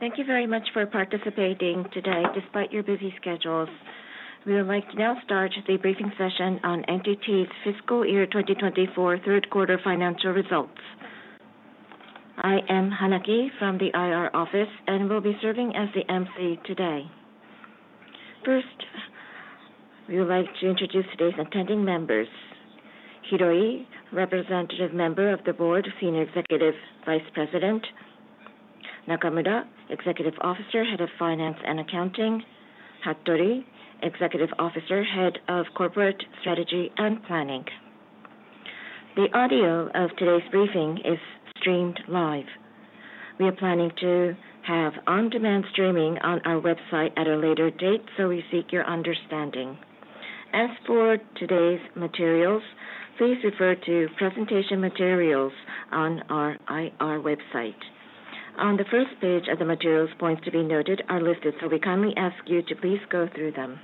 Thank you very much for participating today despite your busy schedules. We would like to now start the briefing session on NTT's Fiscal Year 2024 third quarter financial results. I am Hanaki from the IR Office and will be serving as the MC today. First, we would like to introduce today's attending members: Hiroi, Representative Member of the Board, Senior Executive Vice President, Nakamura, Executive Officer, Head of Finance and Accounting, Hatori, Executive Officer, Head of Corporate Strategy and Planning. The audio of today's briefing is streamed live. We are planning to have on-demand streaming on our website at a later date, so we seek your understanding. As for today's materials, please refer to presentation materials on our IR website. On the first page of the materials, points to be noted are listed, so we kindly ask you to please go through them.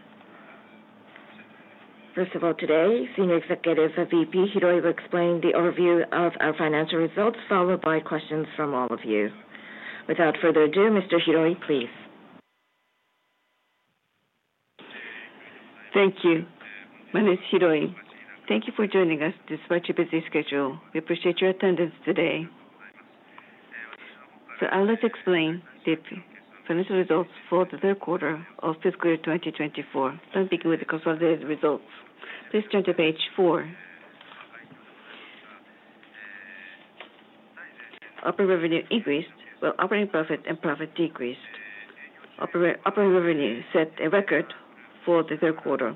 First of all, today, Senior Executive VP Hiroi will explain the overview of our financial results, followed by questions from all of you. Without further ado, Mr. Hiroi, please. Thank you. My name is Hiroi. Thank you for joining us despite your busy schedule. We appreciate your attendance today, so I'll let you explain the financial results for the third quarter of Fiscal Year 2024. Starting with the consolidated results, please turn to page four. Operating revenue increased while operating profit and profit decreased. Operating revenue set a record for the third quarter.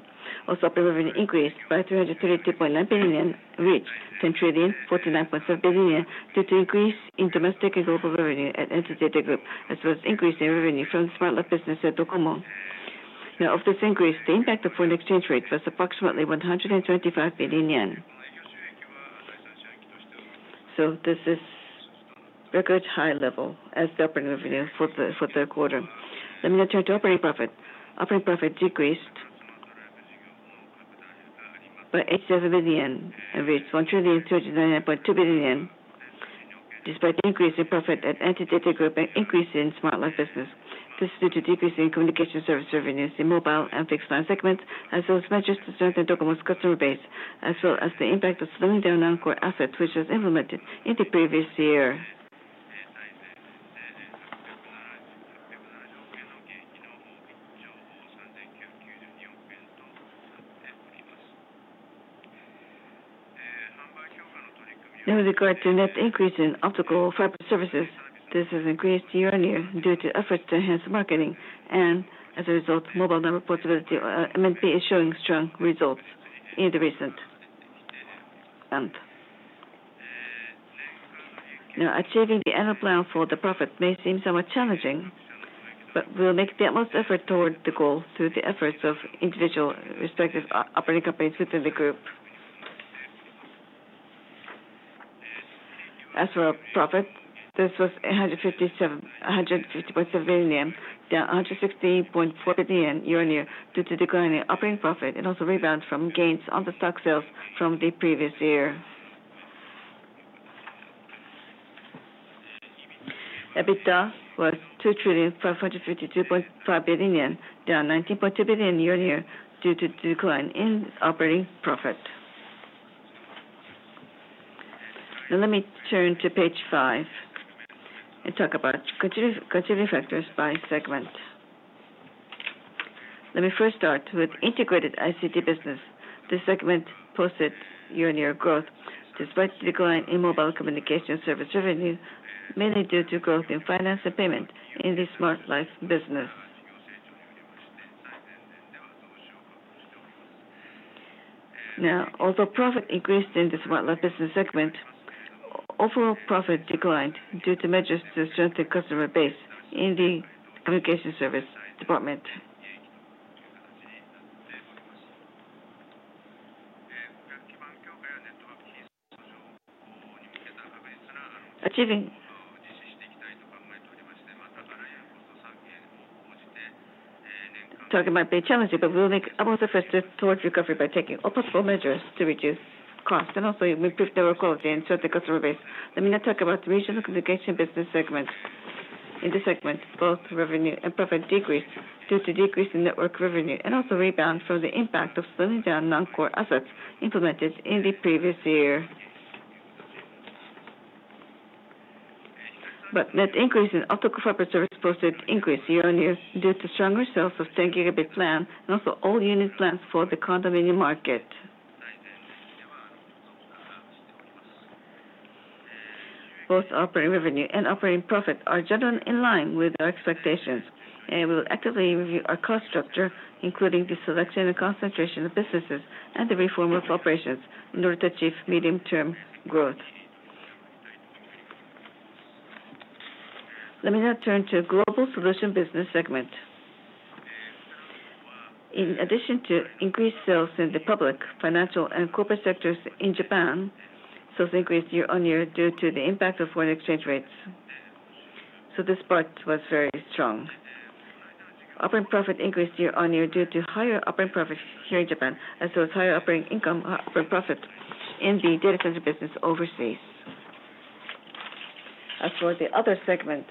Also, operating revenue increased by 332.9 billion, reached 10 trillion 49.5 billion due to increase in domestic and global revenue at NTT Group, as well as increase in revenue from the Smart Life business, Consumer commerce. Now, of this increase, the impact of foreign exchange rate was approximately 125 billion yen. So this is record high level as the operating revenue for the third quarter, so let me now turn to operating profit. Operating profit decreased by 87 billion and reached 1,399.2 billion despite the increase in profit at NTT Group and increase in Smart Life Business. This is due to decrease in communication service revenues in mobile and fixed line segments, as well as measures to strengthen DOCOMO's customer base, as well as the impact of slimming down non-core assets, which was implemented in the previous year. Now, with regard to net increase in optical fiber services, this has increased year on year due to efforts to enhance marketing, and as a result, mobile number portability is showing strong results in the recent month. Now, achieving the annual plan for the profit may seem somewhat challenging, but we will make the utmost effort toward the goal through the efforts of individual respective operating companies within the group. As for profit, this was 850.7 billion, down 160.4 billion year-on-year due to declining operating profit and also rebound from gains on the stock sales from the previous year. EBITDA was 2,552.5 billion yen, down 19.2 billion year-on-year due to decline in operating profit. Now, let me turn to page five and talk about contributing factors by segment. Let me first start with Integrated ICT Business. This segment posted year on year growth despite the decline in mobile communication service revenue, mainly due to growth in finance and payment in the Smart Life Business. Now, although profit increased in the Smart Life Business segment, overall profit declined due to measures to strengthen customer base in the Communication Service department. Achieving. Let me now talk about the Regional Communications Business segment. In this segment, both revenue and profit decreased due to decrease in network revenue and also rebound from the impact of slimming down non-core assets implemented in the previous year, but net increase in optical fiber service posted increase year on year due to stronger sales of 10-gigabit plan and also all-unit plans for the condominium market. Both operating revenue and operating profit are generally in line with our expectations, and we will actively review our cost structure, including the selection and concentration of businesses and the reform of operations in order to achieve medium-term growth. Let me now turn to Global Solutions Business segment. In addition to increased sales in the public, financial, and corporate sectors in Japan, sales increased year on year due to the impact of foreign exchange rates, so this part was very strong. Operating profit increased year on year due to higher operating profits here in Japan, as well as higher operating income or operating profit in the data center business overseas. As for the other segment,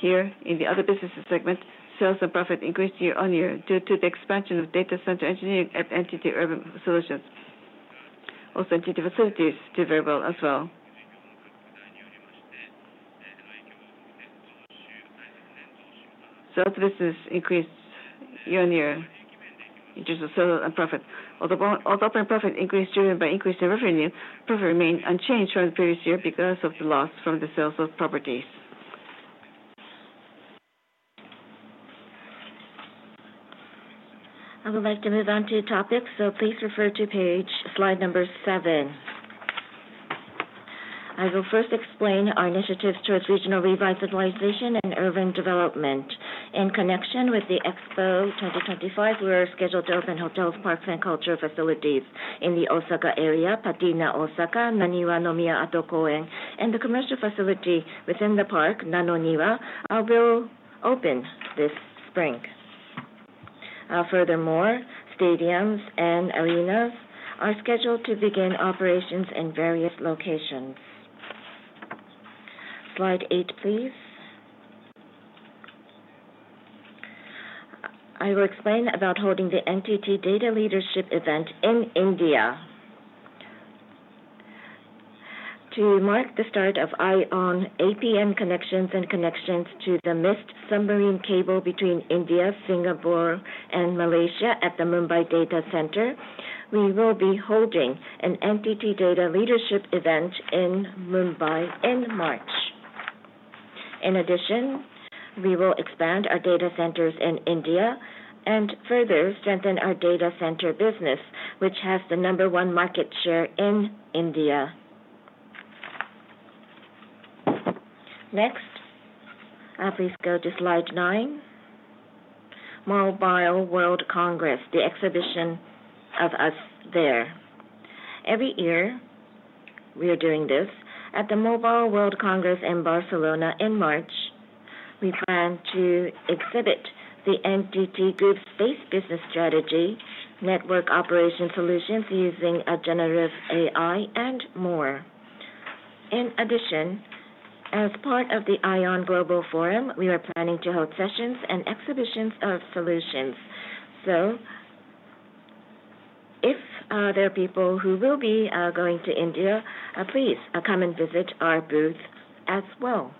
here in the other business segment, sales and profit increased year on year due to the expansion of data center engineering at NTT Urban Solutions. Also, NTT Facilities did very well as well. Sales and business increased year on year in terms of sales and profit. Although operating profit increased year on year by increase in revenue, profit remained unchanged from the previous year because of the loss from the sales of properties. I would like to move on to topics, so please refer to page slide number seven. I will first explain our initiatives toward regional revitalization and urban development. In connection with the Expo 2025, we are scheduled to open hotels, parks, and cultural facilities in the Osaka area, Patina Osaka, Naniwa-no-Miya Ato koen, and the commercial facility within the park, Naniwa-no-Niwa, will open this spring. Furthermore, stadiums and arenas are scheduled to begin operations in various locations. Slide eight, please. I will explain about holding the NTT DATA Leadership Event in India. To mark the start of IOWN APN connections and connections to the MIST submarine cable between India, Singapore, and Malaysia at the Mumbai Data Center, we will be holding an NTT DATA Leadership Event in Mumbai in March. In addition, we will expand our data centers in India and further strengthen our data center business, which has the number one market share in India. Next, please go to slide nine, Mobile World Congress, the exhibition over there. Every year, we are doing this at the Mobile World Congress in Barcelona in March. We plan to exhibit the NTT Group's space business strategy, network operation solutions using a generative AI and more. In addition, as part of the IOWN Global Forum, we are planning to hold sessions and exhibitions of solutions, so if there are people who will be going to India, please come and visit our booth as well.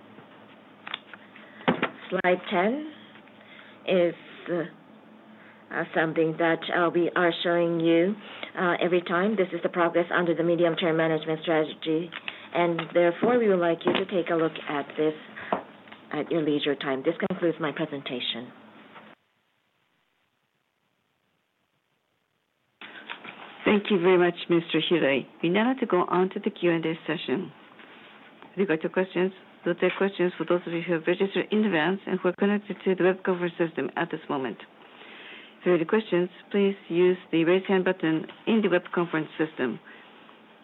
Slide 10 is something that we are showing you every time. This is the progress under the medium-term management strategy, and therefore we would like you to take a look at this at your leisure time. This concludes my presentation. Thank you very much, Mr. Hiroi. We now have to go on to the Q&A session. With regard to questions, we'll take questions for those of you who have registered in advance and who are connected to the web conference system at this moment. For your questions, please use the raise hand button in the web conference system.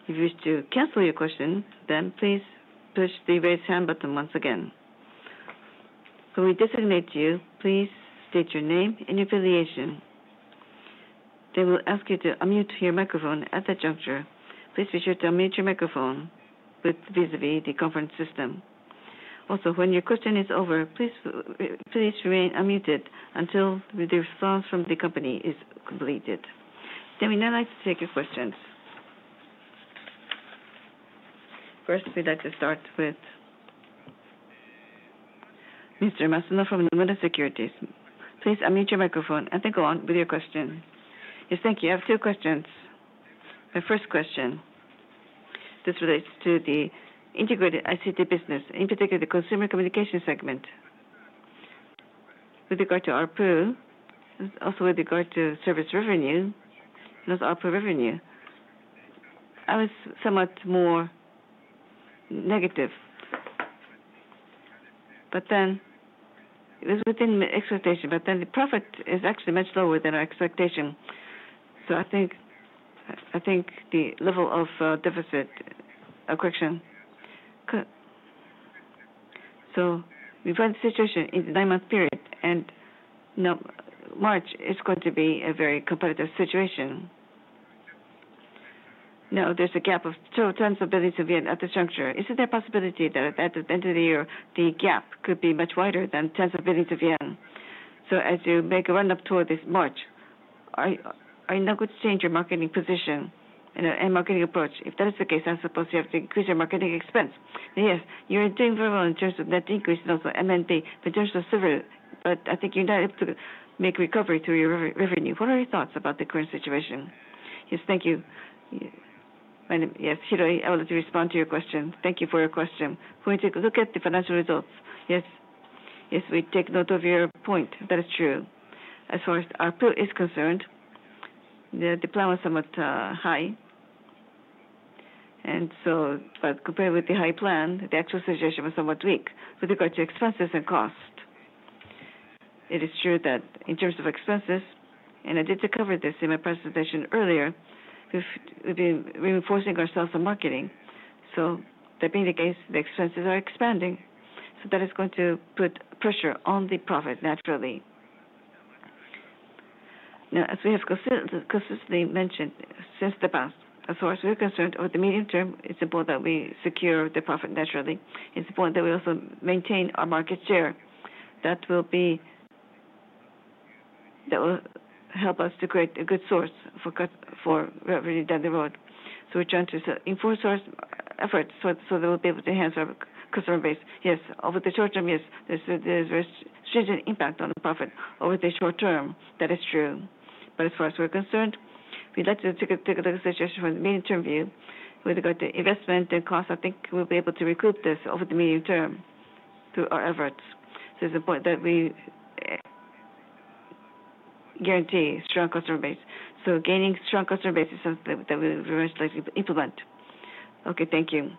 If you wish to cancel your question, then please push the raise hand button once again. When we designate you, please state your name and your affiliation. They will ask you to unmute your microphone at that juncture. Please be sure to unmute your microphone vis-à-vis the conference system. Also, when your question is over, please remain unmuted until the response from the company is completed. Then we now like to take your questions. First, we'd like to start with Mr. Masuno from Nomura Securities. Please unmute your microphone and then go on with your question. Yes, thank you. I have two questions. My first question relates to the Integrated ICT Business, in particular the consumer communication segment. With regard to ARPU, also with regard to service revenue, and also ARPU revenue, I was somewhat more negative, but then it was within expectation, but then the profit is actually much lower than our expectation, so I think the level of deficit, correction, so we find the situation in the nine-month period, and now March is going to be a very competitive situation. Now, there's a gap of JPY 120 billion at this juncture. Is it a possibility that at the end of the year, the gap could be much wider than tens of billions of yen? So, as you make a run-up toward this March, are you now going to change your marketing position and marketing approach? If that is the case, I suppose you have to increase your marketing expense. Yes, you're doing very well in terms of net increase and also MNP and terms of service, but I think you're not able to make recovery to your revenue. What are your thoughts about the current situation? Yes, thank you. Yes, Hiroi, I would like to respond to your question. Thank you for your question. When we take a look at the financial results, yes, yes, we take note of your point. That is true. As far as ARPU is concerned, the plan was somewhat high. And so, but compared with the high plan, the actual suggestion was somewhat weak with regard to expenses and cost. It is true that in terms of expenses, and I did cover this in my presentation earlier, we've been reinforcing our sales and marketing. So that being the case, the expenses are expanding. So that is going to put pressure on the profit naturally. Now, as we have consistently mentioned since the past, as far as we're concerned, over the medium term, it's important that we secure the profit naturally. It's important that we also maintain our market share. That will help us to create a good source for revenue down the road. So we're trying to enforce our efforts so that we'll be able to enhance our customer base. Yes, over the short term, yes, there's a very stringent impact on the profit over the short term. That is true. But as far as we're concerned, we'd like to take a look at the situation from the medium-term view. With regard to investment and cost, I think we'll be able to recoup this over the medium term through our efforts. So it's important that we guarantee a strong customer base. So gaining a strong customer base is something that we would very much like to implement. Okay, thank you.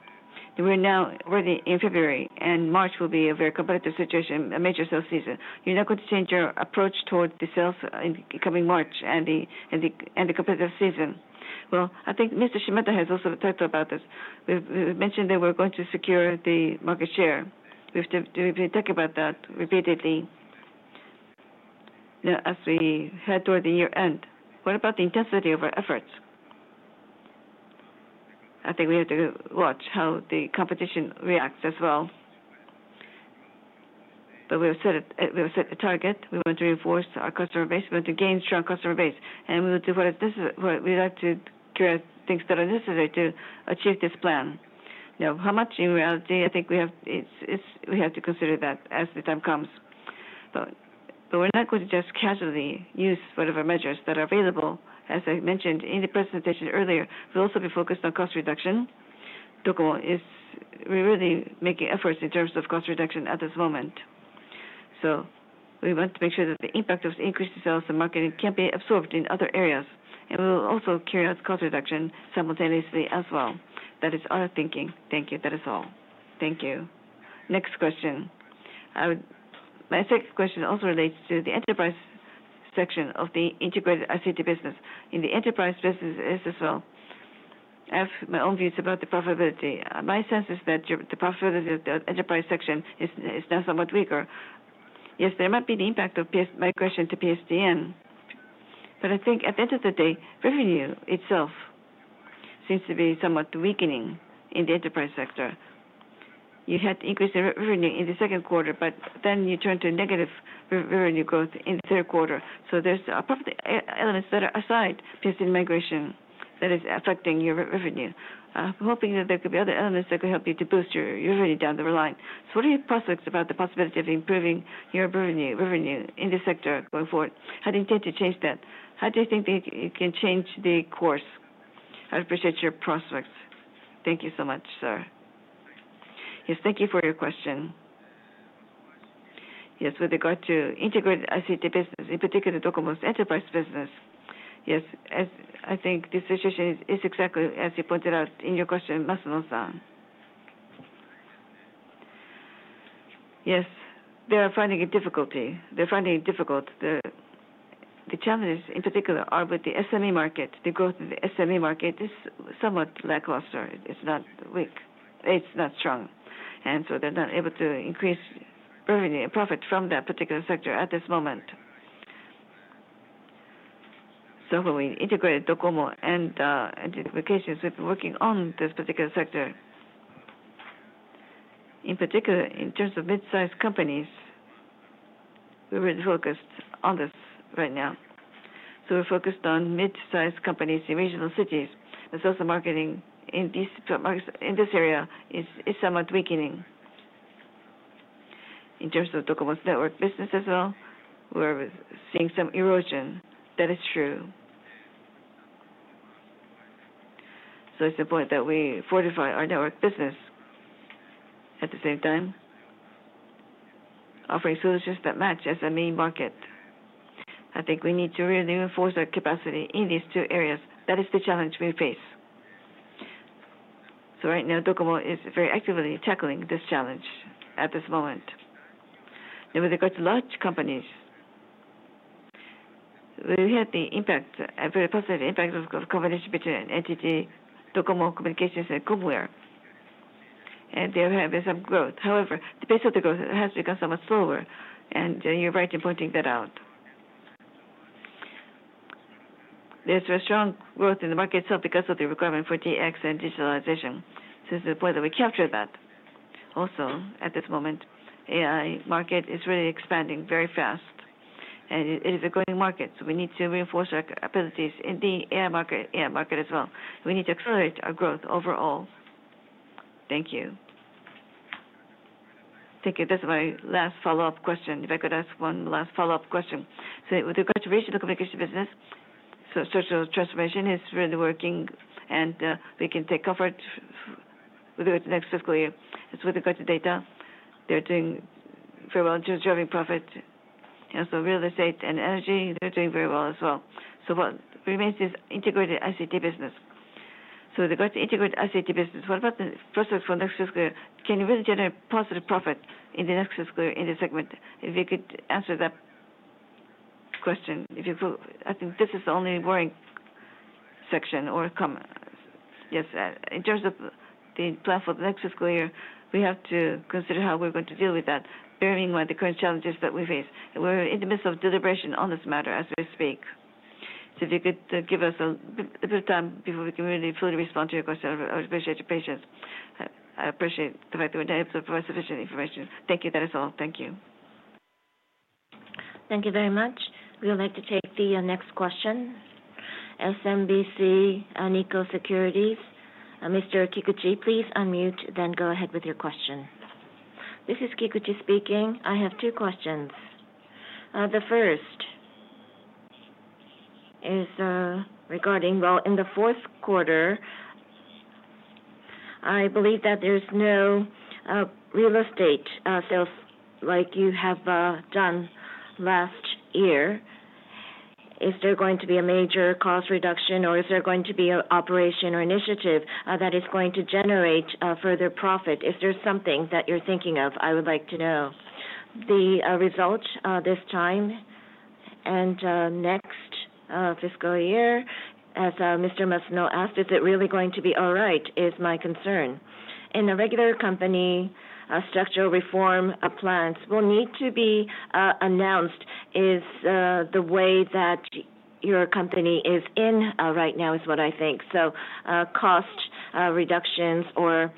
We're now already in February, and March will be a very competitive situation, a major sales season. You're not going to change your approach toward the sales in coming March and the competitive season? Well, I think Mr. Shimada has also talked about this. We've mentioned that we're going to secure the market share. We've been talking about that repeatedly as we head toward the year end. What about the intensity of our efforts? I think we have to watch how the competition reacts as well. But we have set a target. We want to reinforce our customer base. We want to gain a strong customer base. And we will do what we like to create things that are necessary to achieve this plan. Now, how much in reality I think we have to consider that as the time comes. But we're not going to just casually use whatever measures that are available. As I mentioned in the presentation earlier, we'll also be focused on cost reduction. We're really making efforts in terms of cost reduction at this moment. So we want to make sure that the impact of increased sales and marketing can be absorbed in other areas. And we will also carry out cost reduction simultaneously as well. That is our thinking. Thank you. That is all. Thank you. Next question. My second question also relates to the enterprise section of the Integrated ICT Business. In the enterprise business as well, I have my own views about the profitability. My sense is that the profitability of the enterprise section is now somewhat weaker. Yes, there might be the impact of migration to PSTN. But I think at the end of the day, revenue itself seems to be somewhat weakening in the enterprise sector. You had increased revenue in the second quarter, but then you turned to negative revenue growth in the third quarter. So there's probably elements that are aside from migration that is affecting your revenue. I'm hoping that there could be other elements that could help you to boost your revenue down the line. So what are your prospects about the possibility of improving your revenue in this sector going forward? How do you intend to change that? How do you think you can change the course? I appreciate your prospects. Thank you so much, sir. Yes, thank you for your question. Yes, with regard to Integrated ICT Business, in particular, the enterprise business, yes, I think this situation is exactly as you pointed out in your question, Masuno. They're finding it difficult. The challenges, in particular, are with the SME market. The growth of the SME market is somewhat lackluster. It's not weak. It's not strong, and so they're not able to increase revenue and profit from that particular sector at this moment, so when we integrated DOCOMO and NTT Communications, we've been working on this particular sector. In particular, in terms of mid-size companies, we're really focused on this right now, so we're focused on mid-size companies in regional cities. The sales and marketing in this area is somewhat weakening. In terms of DOCOMO's network business as well, we're seeing some erosion. That is true. It's important that we fortify our network business at the same time, offering solutions that match SME market. I think we need to really reinforce our capacity in these two areas. That is the challenge we face. Right now, DOCOMO is very actively tackling this challenge at this moment. Now, with regard to large companies, we had the impact, a very positive impact of the combination between NTT, DOCOMO, Communications, and Comware. And they are having some growth. However, the pace of the growth has become somewhat slower. And you're right in pointing that out. There's a strong growth in the market itself because of the requirement for DX and digitalization. It's important that we capture that. Also, at this moment, the AI market is really expanding very fast. And it is a growing market. So we need to reinforce our abilities in the AI market as well. We need to accelerate our growth overall. Thank you. Thank you. That's my last follow-up question. If I could ask one last follow-up question. So with regard to Regional Communications Business, DX transformation is really working. And we can take comfort with the next fiscal year. As with regard to data, they're doing very well in terms of driving profit. And so real estate and energy, they're doing very well as well. So what remains is Integrated ICT Business. So with regard to Integrated ICT Business, what about the prospects for next fiscal year? Can you really generate positive profit in the next fiscal year in this segment? If you could answer that question. I think this is the only worrying section or comment. Yes, in terms of the plan for the next fiscal year, we have to consider how we're going to deal with that, bearing in mind the current challenges that we face. We're in the midst of deliberation on this matter as we speak. So if you could give us a little bit of time before we can really fully respond to your question, I would appreciate your patience. I appreciate the fact that we're not able to provide sufficient information. Thank you. That is all. Thank you. Thank you very much. We would like to take the next question, SMBC Nikko Securities. Mr. Kikuchi, please unmute, then go ahead with your question. This is Kikuchi speaking. I have two questions. The first is regarding, well, in the fourth quarter, I believe that there's no real estate sales like you have done last year. Is there going to be a major cost reduction, or is there going to be an operation or initiative that is going to generate further profit? If there's something that you're thinking of, I would like to know. The result this time and next fiscal year, as Mr. Masuno asked, is it really going to be all right? Is my concern. In a regular company, structural reform plans will need to be announced. Is the way that your company is in right now. Is what I think, so cost reductions or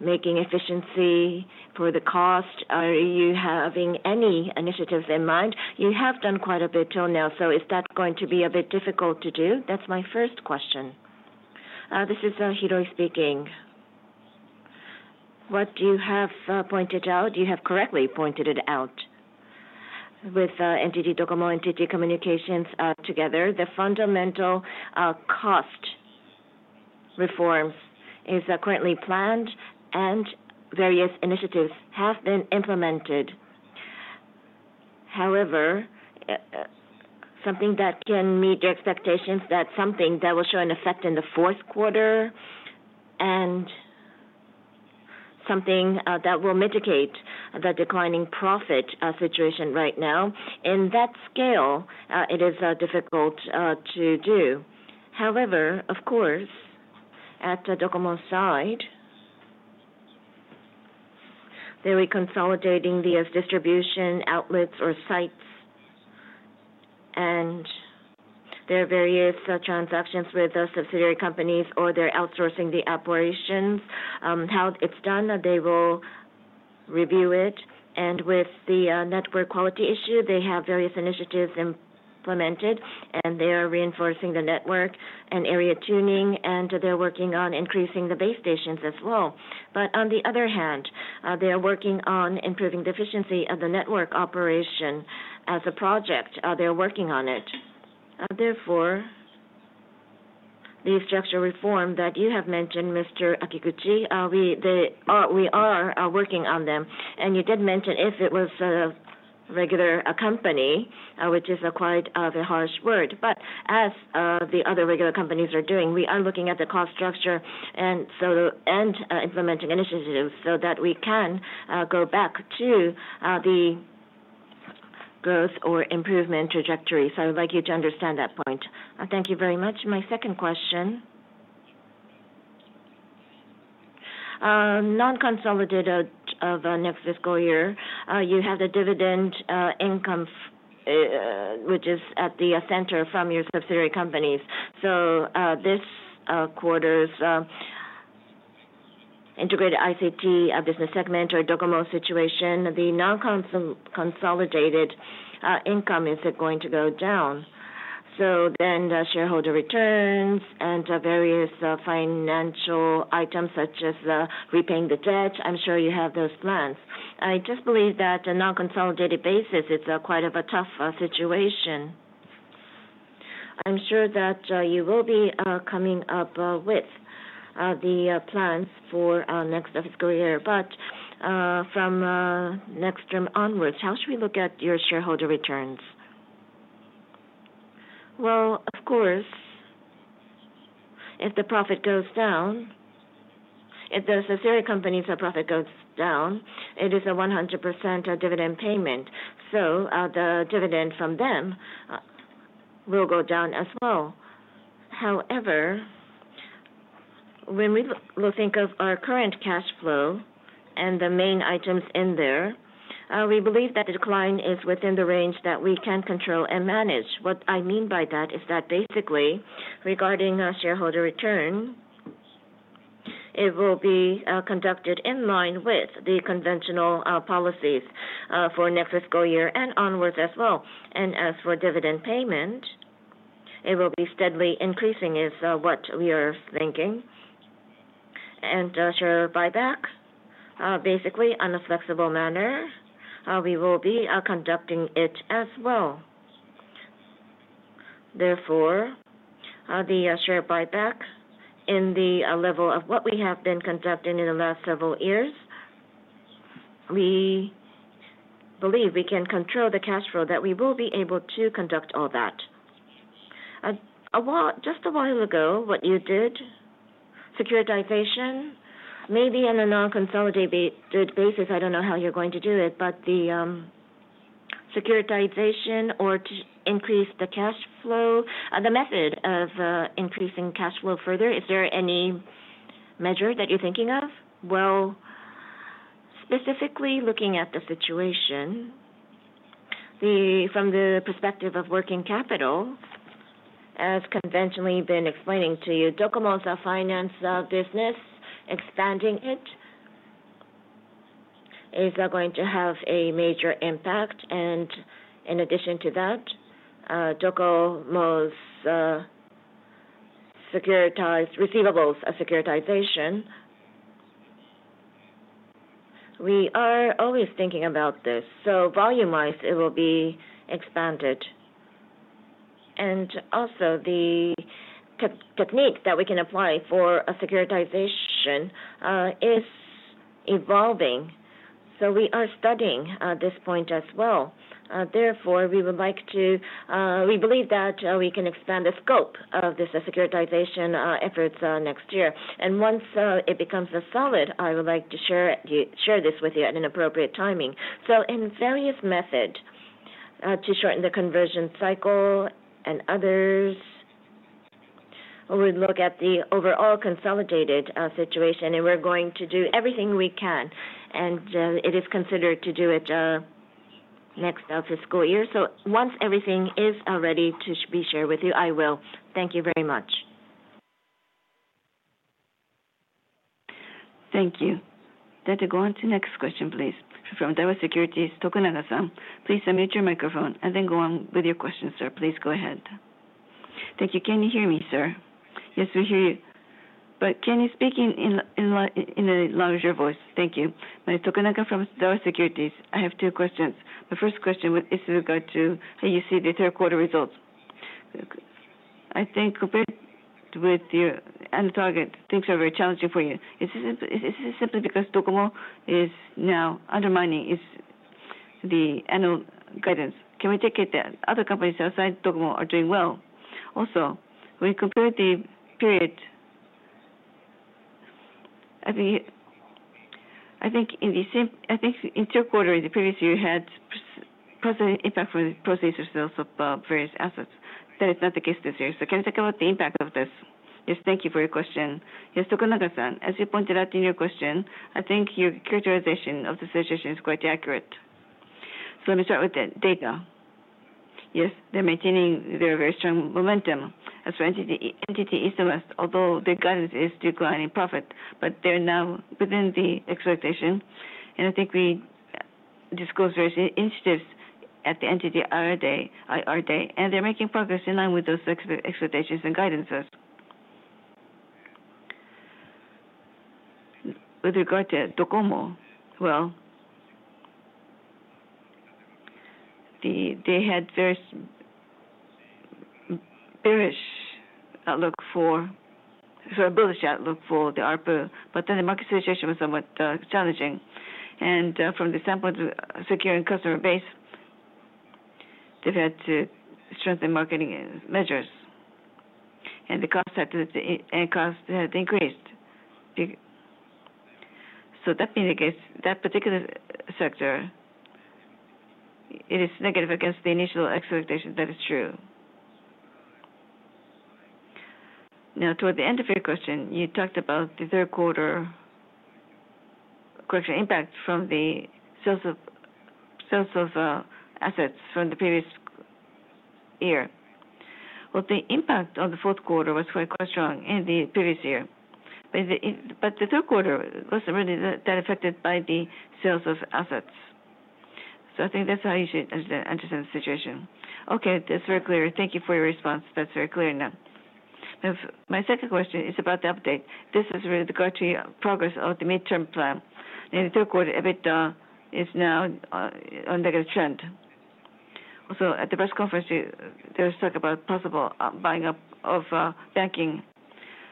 making efficiency for the cost, are you having any initiatives in mind? You have done quite a bit till now, so is that going to be a bit difficult to do? That's my first question. This is Hiroi speaking. What do you have pointed out? You have correctly pointed it out. With NTT DOCOMO, NTT Communications together, the fundamental cost reforms are currently planned, and various initiatives have been implemented. However, something that can meet your expectations that something that will show an effect in the fourth quarter and something that will mitigate the declining profit situation right now, in that scale, it is difficult to do. However, of course, at DOCOMO's side, they're reconsolidating the distribution outlets or sites, and there are various transactions with subsidiary companies, or they're outsourcing the operations. How it's done, they will review it. And with the network quality issue, they have various initiatives implemented, and they are reinforcing the network and area tuning, and they're working on increasing the base stations as well. But on the other hand, they are working on improving the efficiency of the network operation as a project. They're working on it. Therefore, the structural reform that you have mentioned, Mr. Kikuchi, we are working on them. And you did mention if it was a regular company, which is quite a harsh word. But as the other regular companies are doing, we are looking at the cost structure and implementing initiatives so that we can go back to the growth or improvement trajectory. So I would like you to understand that point. Thank you very much. My second question. Non-consolidated of next fiscal year, you have the dividend income, which is at the center from your subsidiary companies. So this quarter's Integrated ICT Business segment or DOCOMO situation, the non-consolidated income is going to go down. So then shareholder returns and various financial items such as repaying the debt, I'm sure you have those plans. I just believe that on a non-consolidated basis, it's quite a tough situation. I'm sure that you will be coming up with the plans for next fiscal year, but from next term onwards, how should we look at your shareholder returns? Well, of course, if the profit goes down, if the subsidiary company's profit goes down, it is a 100% dividend payment, so the dividend from them will go down as well. However, when we think of our current cash flow and the main items in there, we believe that the decline is within the range that we can control and manage. What I mean by that is that basically, regarding shareholder return, it will be conducted in line with the conventional policies for next fiscal year and onwards as well, and as for dividend payment, it will be steadily increasing is what we are thinking, and share buyback, basically on a flexible manner, we will be conducting it as well. Therefore, the share buyback in the level of what we have been conducting in the last several years, we believe we can control the cash flow that we will be able to conduct all that. Just a while ago, what you did, securitization, maybe on a non-consolidated basis, I don't know how you're going to do it, but the securitization or to increase the cash flow, the method of increasing cash flow further, is there any measure that you're thinking of? Specifically looking at the situation, from the perspective of working capital, as conventionally been explaining to you, DOCOMO's finance business, expanding it, is going to have a major impact. In addition to that, DOCOMO's receivables securitization, we are always thinking about this. So volume-wise, it will be expanded. Also, the technique that we can apply for securitization is evolving. So we are studying this point as well. Therefore, we would like to, we believe that we can expand the scope of this securitization efforts next year. And once it becomes solid, I would like to share this with you at an appropriate timing. So in various methods to shorten the conversion cycle and others, we look at the overall consolidated situation, and we're going to do everything we can. And it is considered to do it next fiscal year. So once everything is ready to be shared with you, I will. Thank you very much. Thank you. Then to go on to the next question, please. From Daiwa Securities, Tokunaga-san. Please unmute your microphone and then go on with your question, sir. Please go ahead. Thank you. Can you hear me, sir? Yes, we hear you. But can you speak in a larger voice? Thank you. Mr. Tokunaga from Daiwa Securities, I have two questions. The first question is with regard to how you see the third quarter results. I think compared with your annual target, things are very challenging for you. Is this simply because DOCOMO is now undermining the annual guidance? Can we take it that other companies outside DOCOMO are doing well? Also, when you compare the period, I think in the third quarter of the previous year, you had positive impact from the process of sales of various assets. That is not the case this year. So can you talk about the impact of this? Yes, thank you for your question. Yes, Tokunaga-san, as you pointed out in your question, I think your characterization of the situation is quite accurate. Let me start with the data. Yes, they're maintaining their very strong momentum as for NTT East and West, although their guidance is declining profit, but they're now within the expectation. I think we disclose various initiatives at the NTT IR Day, and they're making progress in line with those expectations and guidances. With regard to DOCOMO, well, they had very bearish outlook for, sorry, bullish outlook for the ARPU, but then the market situation was somewhat challenging. From the standpoint of securing customer base, they've had to strengthen marketing measures. The costs had increased. That being the case, that particular sector, it is negative against the initial expectation that is true. Now, toward the end of your question, you talked about the third quarter, correction, impact from the sales of assets from the previous year. Well, the impact on the fourth quarter was quite strong in the previous year. But the third quarter wasn't really that affected by the sales of assets. So I think that's how you should understand the situation. Okay, that's very clear. Thank you for your response. That's very clear now. My second question is about the update. This is with regard to progress of the midterm plan. In the third quarter, EBITDA is now on a negative trend. Also, at the press conference, there was talk about possible buying up of banking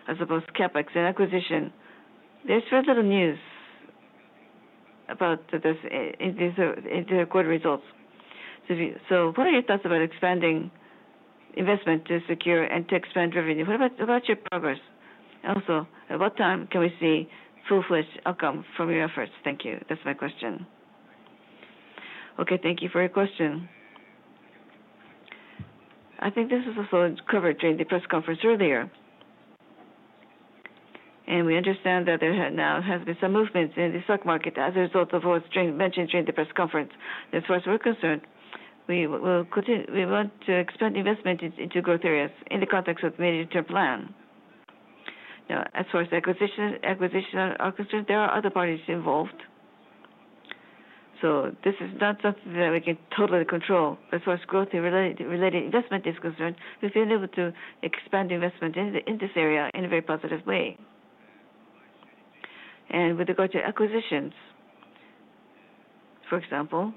as opposed to CapEx and acquisition. There's very little news about this in the third quarter results. So what are your thoughts about expanding investment to secure and to expand revenue? What about your progress? Also, at what time can we see full-fledged outcome from your efforts? Thank you. That's my question. Okay, thank you for your question. I think this was also covered during the press conference earlier, and we understand that there now has been some movements in the stock market as a result of what was mentioned during the press conference. As far as we're concerned, we want to expand investment into growth areas in the context of the midterm plan. Now, as far as acquisitions are concerned, there are other parties involved. So this is not something that we can totally control. As far as growth-related investment is concerned, we've been able to expand investment in this area in a very positive way, and with regard to acquisitions, for example,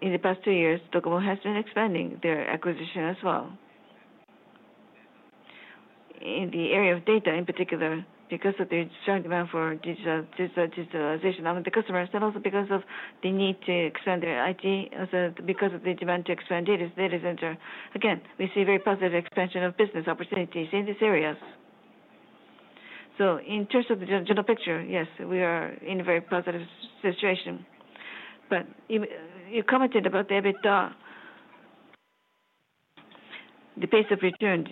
in the past two years, DOCOMO has been expanding their acquisitions as well. In the area of data, in particular, because of the strong demand for digitalization among the customers, and also because of the need to expand their IT, because of the demand to expand data center, again, we see very positive expansion of business opportunities in these areas. So in terms of the general picture, yes, we are in a very positive situation. But you commented about the EBITDA. The pace of return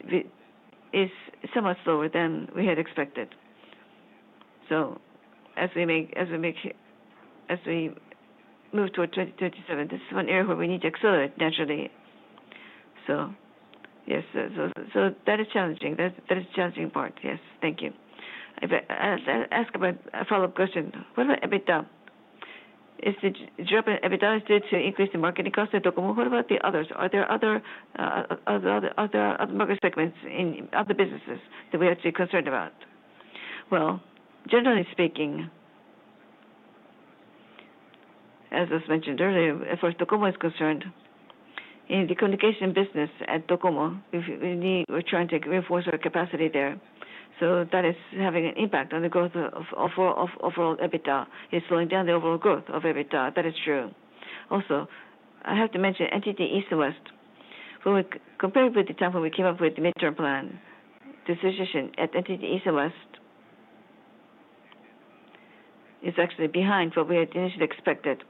is somewhat slower than we had expected. So as we move toward 2027, this is one area where we need to accelerate naturally. So yes, so that is challenging. That is a challenging part. Yes, thank you. I'll ask a follow-up question. What about EBITDA? Is the drop in EBITDA due to increased marketing costs at DOCOMO? What about the others? Are there other market segments in other businesses that we are actually concerned about? Generally speaking, as I mentioned earlier, as far as DOCOMO is concerned, in the communication business at DOCOMO, we're trying to reinforce our capacity there. That is having an impact on the growth of overall EBITDA. It's slowing down the overall growth of EBITDA. That is true. Also, I have to mention NTT East and West. When we compared with the time when we came up with the midterm plan, the situation at NTT East and West is actually behind what we had initially expected.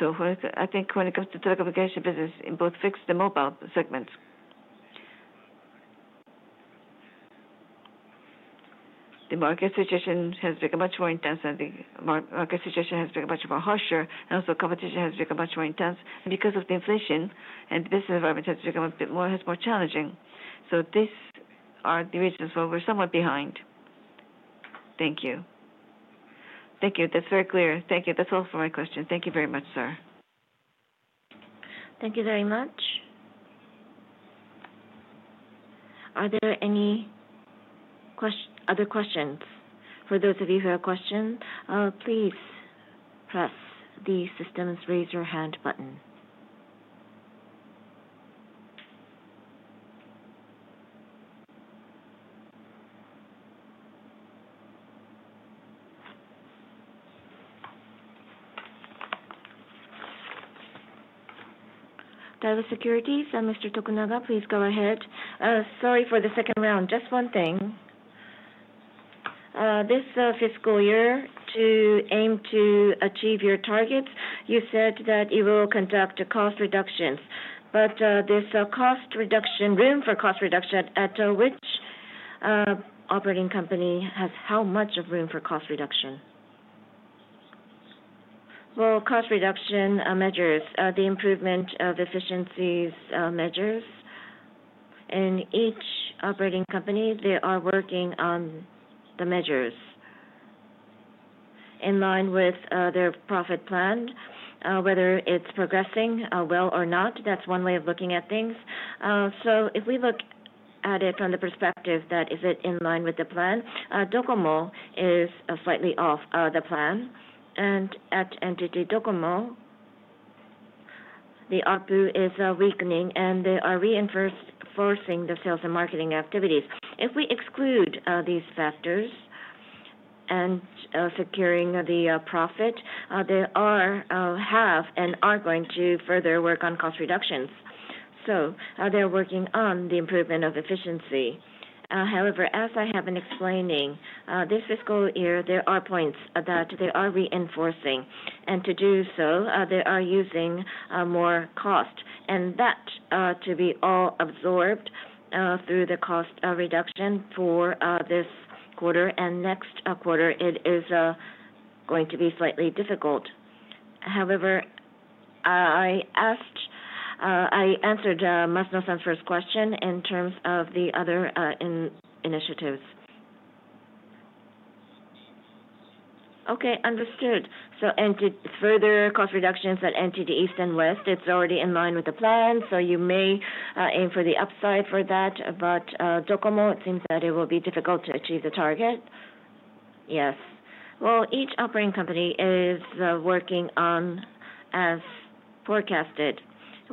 I think when it comes to telecommunication business, in both fixed and mobile segments, the market situation has become much more intense, and the market situation has become much more harsher. Competition has become much more intense. Because of the inflation and the business environment has become a bit more challenging. These are the reasons why we're somewhat behind. Thank you. Thank you. That's very clear. Thank you. That's all for my question. Thank you very much, sir. Thank you very much. Are there any other questions for those of you who have questions? Please press the system's raise your hand button. Daiwa Securities, Mr. Tokunaga, please go ahead. Sorry for the second round. Just one thing. This fiscal year, to aim to achieve your targets, you said that you will conduct cost reductions. But there's a cost reduction room for cost reduction at which operating company has how much of room for cost reduction? Well, cost reduction measures, the improvement of efficiencies measures. In each operating company, they are working on the measures in line with their profit plan, whether it's progressing well or not. That's one way of looking at things. If we look at it from the perspective that is it in line with the plan, DOCOMO is slightly off the plan. And at NTT DOCOMO, the ARPU is weakening, and they are reinforcing the sales and marketing activities. If we exclude these factors and securing the profit, they have and are going to further work on cost reductions. They're working on the improvement of efficiency. However, as I have been explaining, this fiscal year, there are points that they are reinforcing. And to do so, they are using more cost. And that to be all absorbed through the cost reduction for this quarter and next quarter, it is going to be slightly difficult. However, I answered Masuno-san's first question in terms of the other initiatives. Okay, understood. Further cost reductions at NTT East and West; it's already in line with the plan. You may aim for the upside for that. But DOCOMO, it seems that it will be difficult to achieve the target. Yes. Well, each operating company is working on, as forecasted,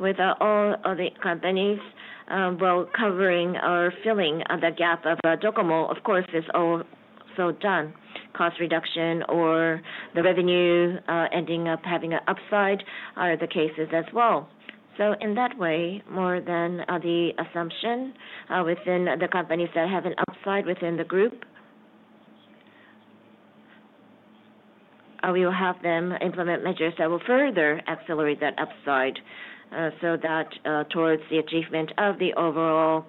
with all of the companies, well, covering or filling the gap of DOCOMO. Of course, it's also done. Cost reduction or the revenue ending up having an upside are the cases as well. So in that way, more than the assumption within the companies that have an upside within the group, we will have them implement measures that will further accelerate that upside so that towards the achievement of the overall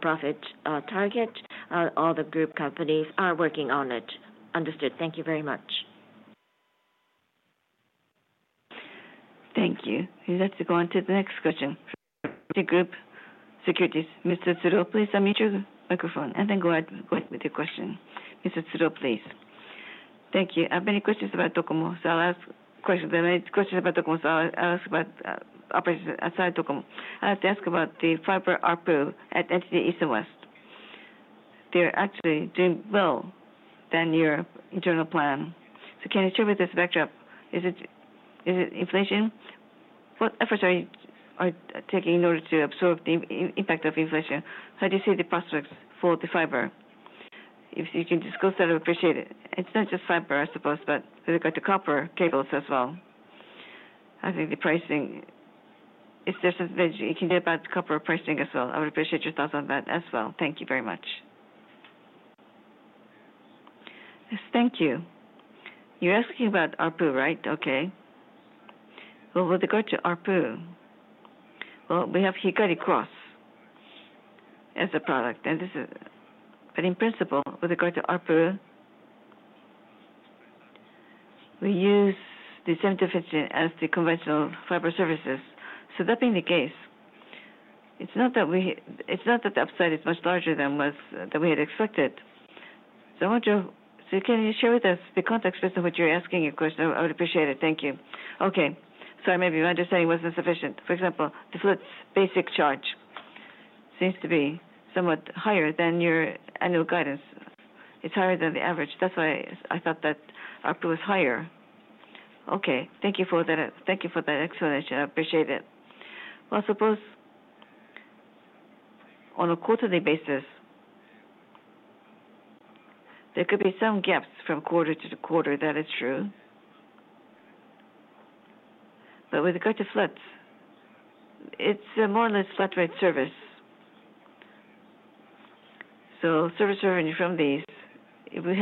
profit target, all the group companies are working on it. Understood. Thank you very much. Thank you. You have to go on to the next question. Citigroup Securities. Mr. Tsuruo, please unmute your microphone, and then go ahead with your question. Mr. Tsuruo, please. Thank you. I have many questions about DOCOMO. So I'll ask questions. I have many questions about DOCOMO. So I'll ask about operations outside DOCOMO. I'd like to ask about the fiber ARPU at NTT East and West. They're actually doing well than your internal plan. So can you share with us backdrop? Is it inflation? What efforts are you taking in order to absorb the impact of inflation? How do you see the prospects for the fiber? If you can disclose that, I would appreciate it. It's not just fiber, I suppose, but with regard to copper cables as well. I think the pricing, if there's something that you can do about copper pricing as well, I would appreciate your thoughts on that as well. Thank you very much. Yes, thank you. You're asking about ARPU, right? Okay. Well, with regard to ARPU, well, we have Hikari Cross as a product. This is, but in principle, with regard to ARPU, we use the 70-15 as the conventional fiber services. So that being the case, it's not that the upside is much larger than we had expected. So I want you to, so can you share with us the context of what you're asking your question? I would appreciate it. Thank you. Okay. Sorry, maybe my understanding wasn't sufficient. For example, the FLET'S basic charge seems to be somewhat higher than your annual guidance. It's higher than the average. That's why I thought that ARPU was higher. Okay. Thank you for that explanation. I appreciate it. Well, I suppose on a quarterly basis, there could be some gaps from quarter to quarter. That is true. But with regard to FLET'S, it's more or less flat rate service. Service revenue from these, if we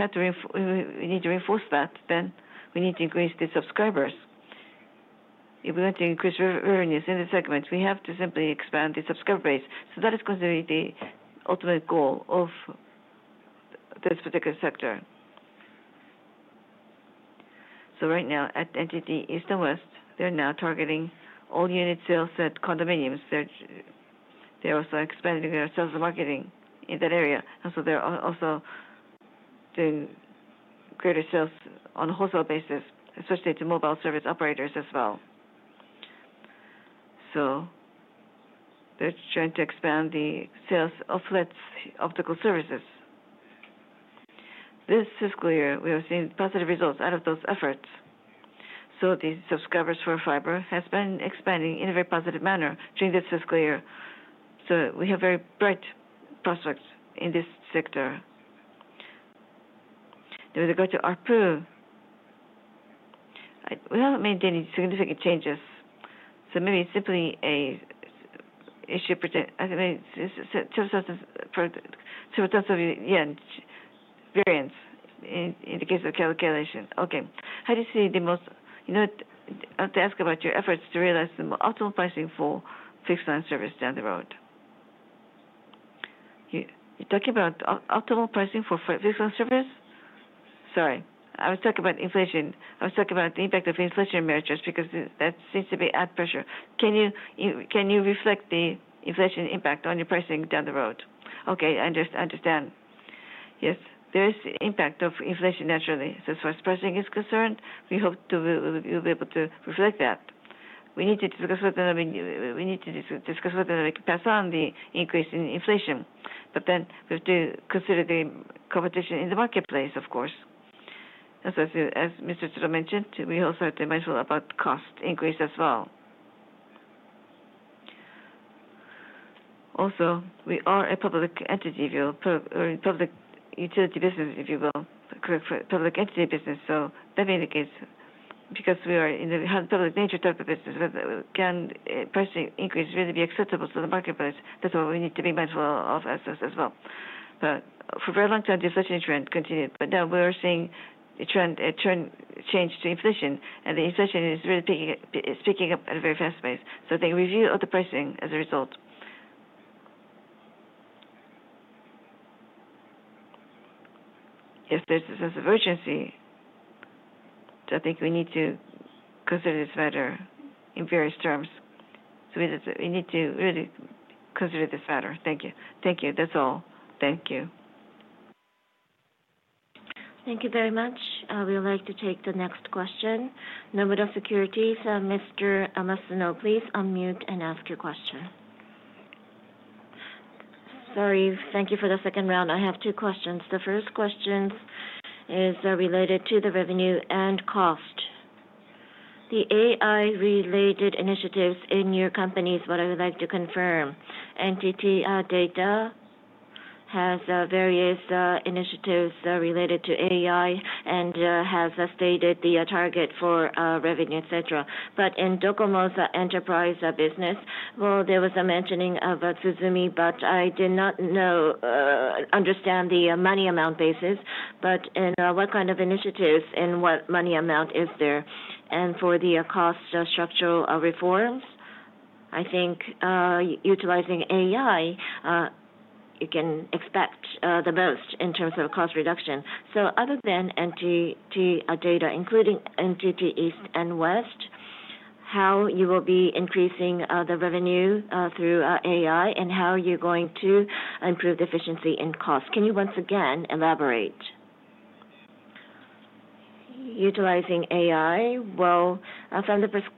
need to reinforce that, then we need to increase the subscribers. If we want to increase revenues in the segments, we have to simply expand the subscriber base. That is considered the ultimate goal of this particular sector. Right now, at NTT East and West, they are now targeting all-unit sales at condominiums. They are also expanding their sales and marketing in that area. They are also doing greater sales on a wholesale basis, especially to mobile service operators as well. They are trying to expand the sales of FLET'S optical services. This fiscal year, we have seen positive results out of those efforts. The subscribers for fiber have been expanding in a very positive manner during this fiscal year. We have very bright prospects in this sector. With regard to ARPU, we have not made any significant changes. So maybe it's simply an issue for server transmission variance in the case of calculation. Okay. How do you see the most, you know? I have to ask about your efforts to realize the optimal pricing for fixed line service down the road. You're talking about optimal pricing for fixed line service? Sorry. I was talking about inflation. I was talking about the impact of inflation measures because that seems to be adding pressure. Can you reflect the inflation impact on your pricing down the road? Okay. I understand. Yes. There is impact of inflation naturally. So as far as pricing is concerned, we hope you'll be able to reflect that. We need to discuss with them if we can pass on the increase in inflation. But then we have to consider the competition in the marketplace, of course. As Mr. Tsuruo mentioned, we also have to be mindful about cost increase as well. Also, we are a public entity, public utility business, if you will, public entity business. So that being the case, because we are in the public nature type of business, can pricing increase really be acceptable to the marketplace? That's what we need to be mindful of as this as well. But for a very long time, the inflation trend continued. But now we're seeing the trend change to inflation, and the inflation is really speaking up at a very fast pace. So I think review of the pricing as a result. If there's a sense of urgency, I think we need to consider this matter in various terms. So we need to really consider this matter. Thank you. Thank you. That's all. Thank you. Thank you very much. We would like to take the next question. Nomura Securities, Mr. Masuno, please unmute and ask your question. Sorry. Thank you for the second round. I have two questions. The first question is related to the revenue and cost. The AI-related initiatives in your companies, what I would like to confirm. NTT DATA has various initiatives related to AI and has stated the target for revenue, etc. But in DOCOMO's enterprise business, well, there was a mentioning of Tsuzumi, but I did not understand the money amount basis. But in what kind of initiatives and what money amount is there? And for the cost structural reforms, I think utilizing AI, you can expect the most in terms of cost reduction. So other than NTT DATA, including NTT East and West, how you will be increasing the revenue through AI and how you're going to improve the efficiency and cost? Can you once again elaborate? Utilizing AI, well, from the perspective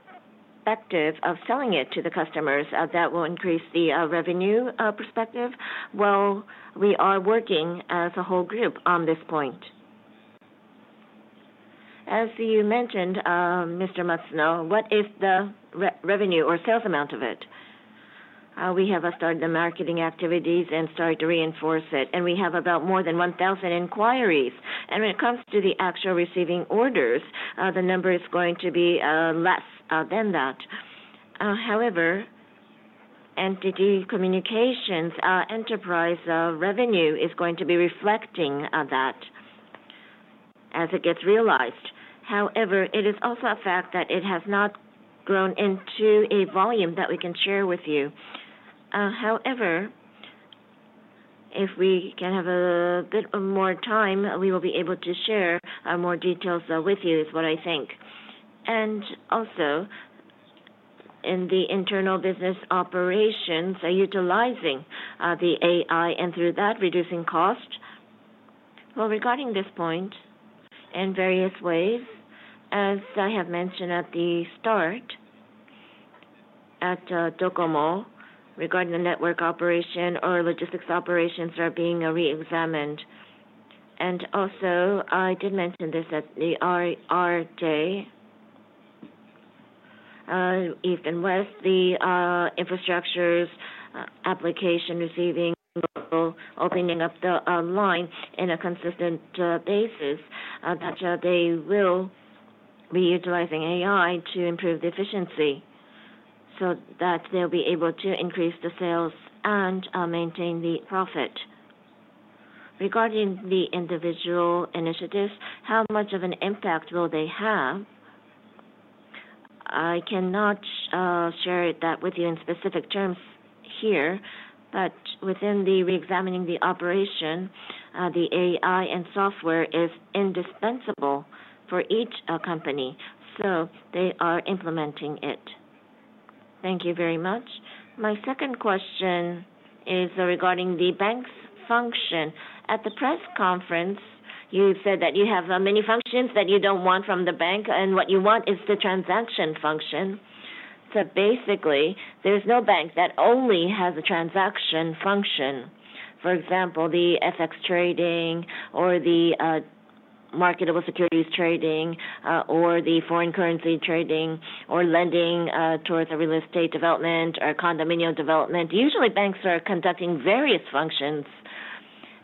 of selling it to the customers, that will increase the revenue perspective. Well, we are working as a whole group on this point. As you mentioned, Mr. Masuno, what is the revenue or sales amount of it? We have started the marketing activities and started to reinforce it. And we have about more than 1,000 inquiries. And when it comes to the actual receiving orders, the number is going to be less than that. However, NTT Communications' enterprise revenue is going to be reflecting that as it gets realized. However, it is also a fact that it has not grown into a volume that we can share with you. However, if we can have a bit more time, we will be able to share more details with you is what I think. And also, in the internal business operations, utilizing the AI and through that, reducing cost. Well, regarding this point, in various ways, as I have mentioned at the start at DOCOMO, regarding the network operation or logistics operations are being re-examined. And also, I did mention this at the NTT East and West, the infrastructure's application receiving opening up the line on a consistent basis, that they will be utilizing AI to improve the efficiency so that they'll be able to increase the sales and maintain the profit. Regarding the individual initiatives, how much of an impact will they have? I cannot share that with you in specific terms here, but within the re-examining the operation, the AI and software is indispensable for each company. So they are implementing it. Thank you very much. My second question is regarding the bank's function. At the press conference, you said that you have many functions that you don't want from the bank, and what you want is the transaction function. So basically, there is no bank that only has a transaction function. For example, the FX trading or the marketable securities trading or the foreign currency trading or lending towards a real estate development or condominium development. Usually, banks are conducting various functions.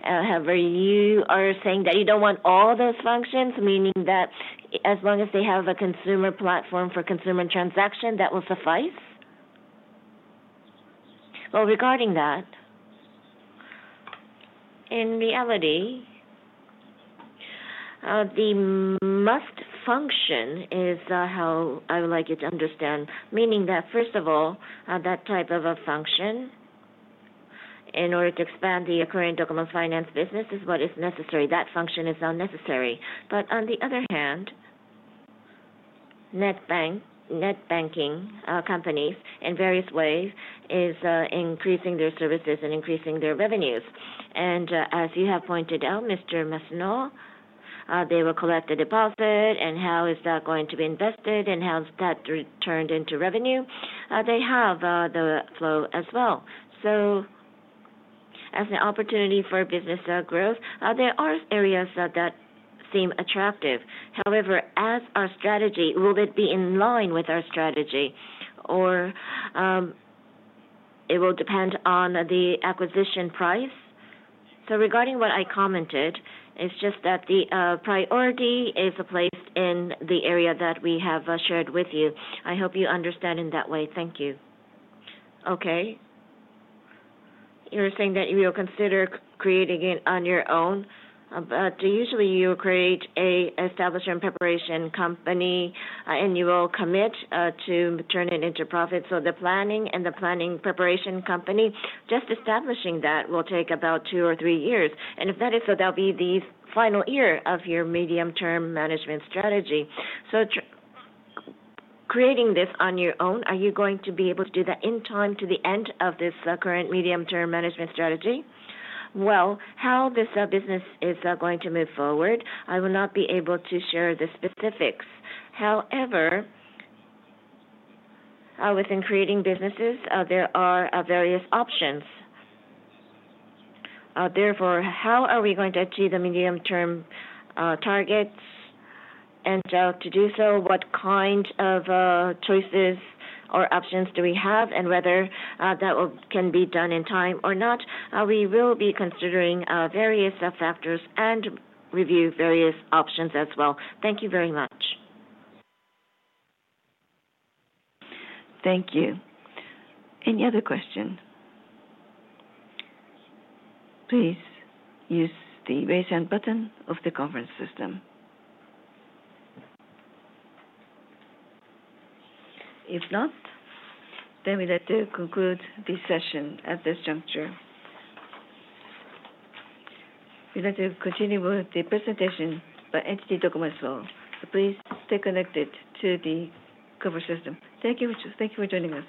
However, you are saying that you don't want all those functions, meaning that as long as they have a consumer platform for consumer transaction, that will suffice? Regarding that, in reality, the must function is how I would like you to understand, meaning that first of all, that type of a function in order to expand the current DOCOMO Finance business is what is necessary. That function is unnecessary. But on the other hand, net banking companies in various ways are increasing their services and increasing their revenues. And as you have pointed out, Mr. Masuno, they will collect the deposit, and how is that going to be invested, and how is that turned into revenue? They have the flow as well. So as an opportunity for business growth, there are areas that seem attractive. However, as our strategy, will it be in line with our strategy, or it will depend on the acquisition price? So regarding what I commented, it's just that the priority is placed in the area that we have shared with you. I hope you understand in that way. Thank you. Okay. You're saying that you will consider creating it on your own, but usually you will create an establishment preparation company, and you will commit to turning it into profit. So the planning and the planning preparation company, just establishing that will take about two or three years. And if that is so, that'll be the final year of your medium-term management strategy. So creating this on your own, are you going to be able to do that in time to the end of this current medium-term management strategy? Well, how this business is going to move forward, I will not be able to share the specifics. However, within creating businesses, there are various options. Therefore, how are we going to achieve the medium-term targets? And to do so, what kind of choices or options do we have, and whether that can be done in time or not? We will be considering various factors and review various options as well. Thank you very much. Thank you. Any other questions? Please use the raise hand button of the conference system. If not, then we'd like to conclude this session at this juncture. We'd like to continue with the presentation by NTT DOCOMO as well, so please stay connected to the conference system. Thank you for joining us.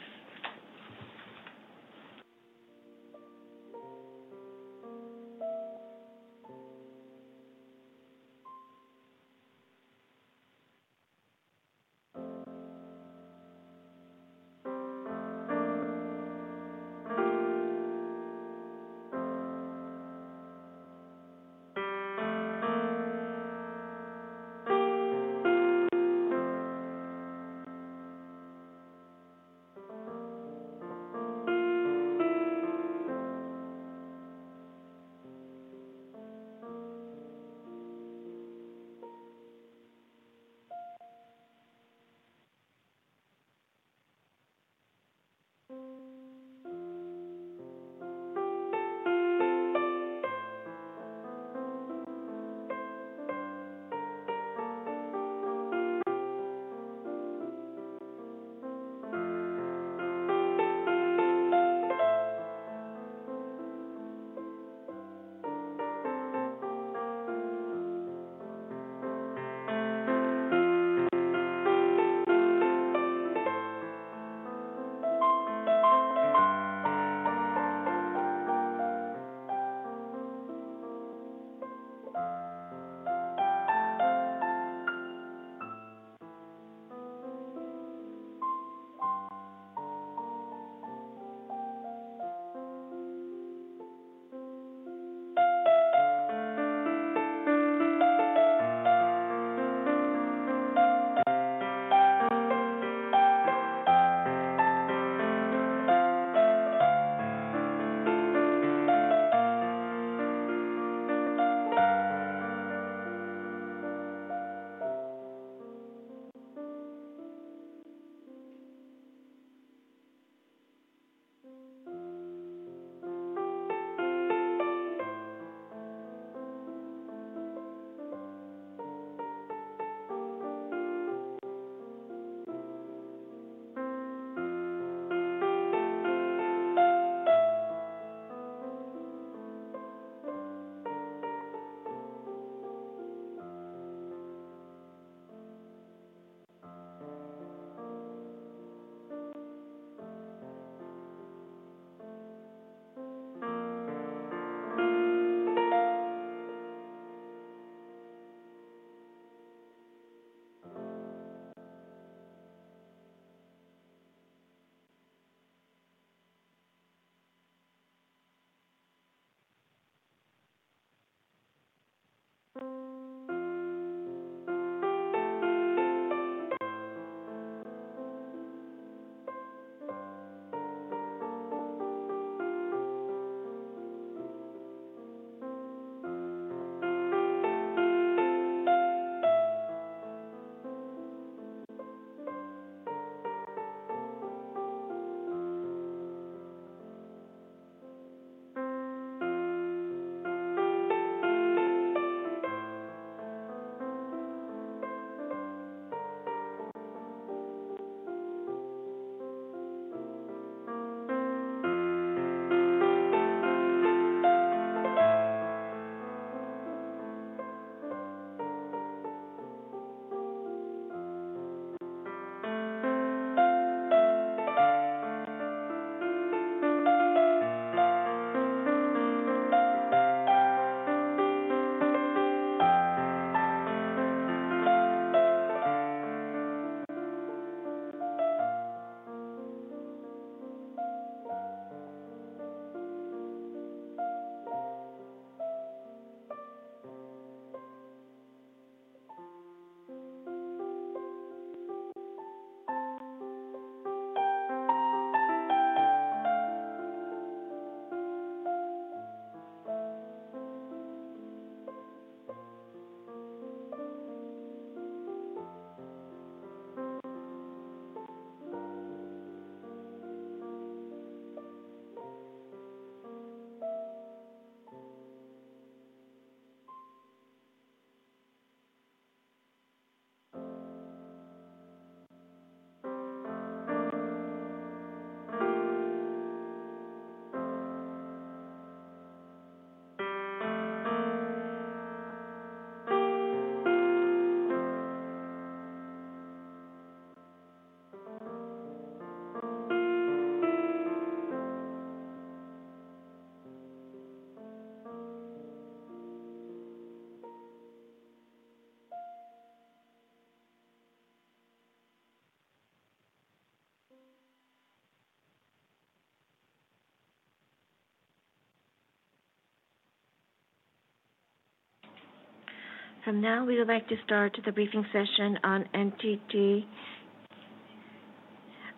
From now, we would like to start the briefing session on NTT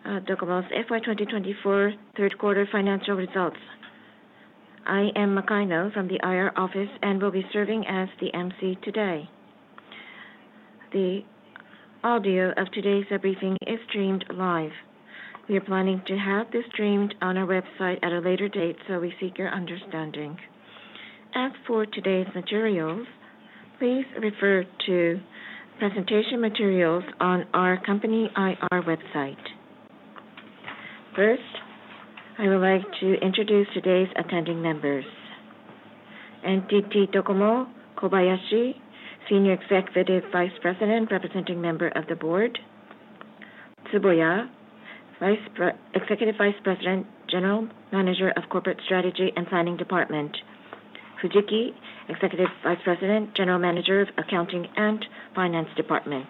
DOCOMO's FY 2024 third quarter financial results. I am Makaino from the IR Office and will be serving as the MC today. The audio of today's briefing is streamed live. We are planning to have this streamed on our website at a later date, so we seek your understanding. As for today's materials, please refer to presentation materials on our company IR website. First, I would like to introduce today's attending members: NTT DOCOMO Kobayashi, Senior Executive Vice President, Representative Member of the Board; Tsuboya, Executive Vice President, General Manager of Corporate Strategy and Planning Department; Fujiki, Executive Vice President, General Manager of Accounting and Finance Department.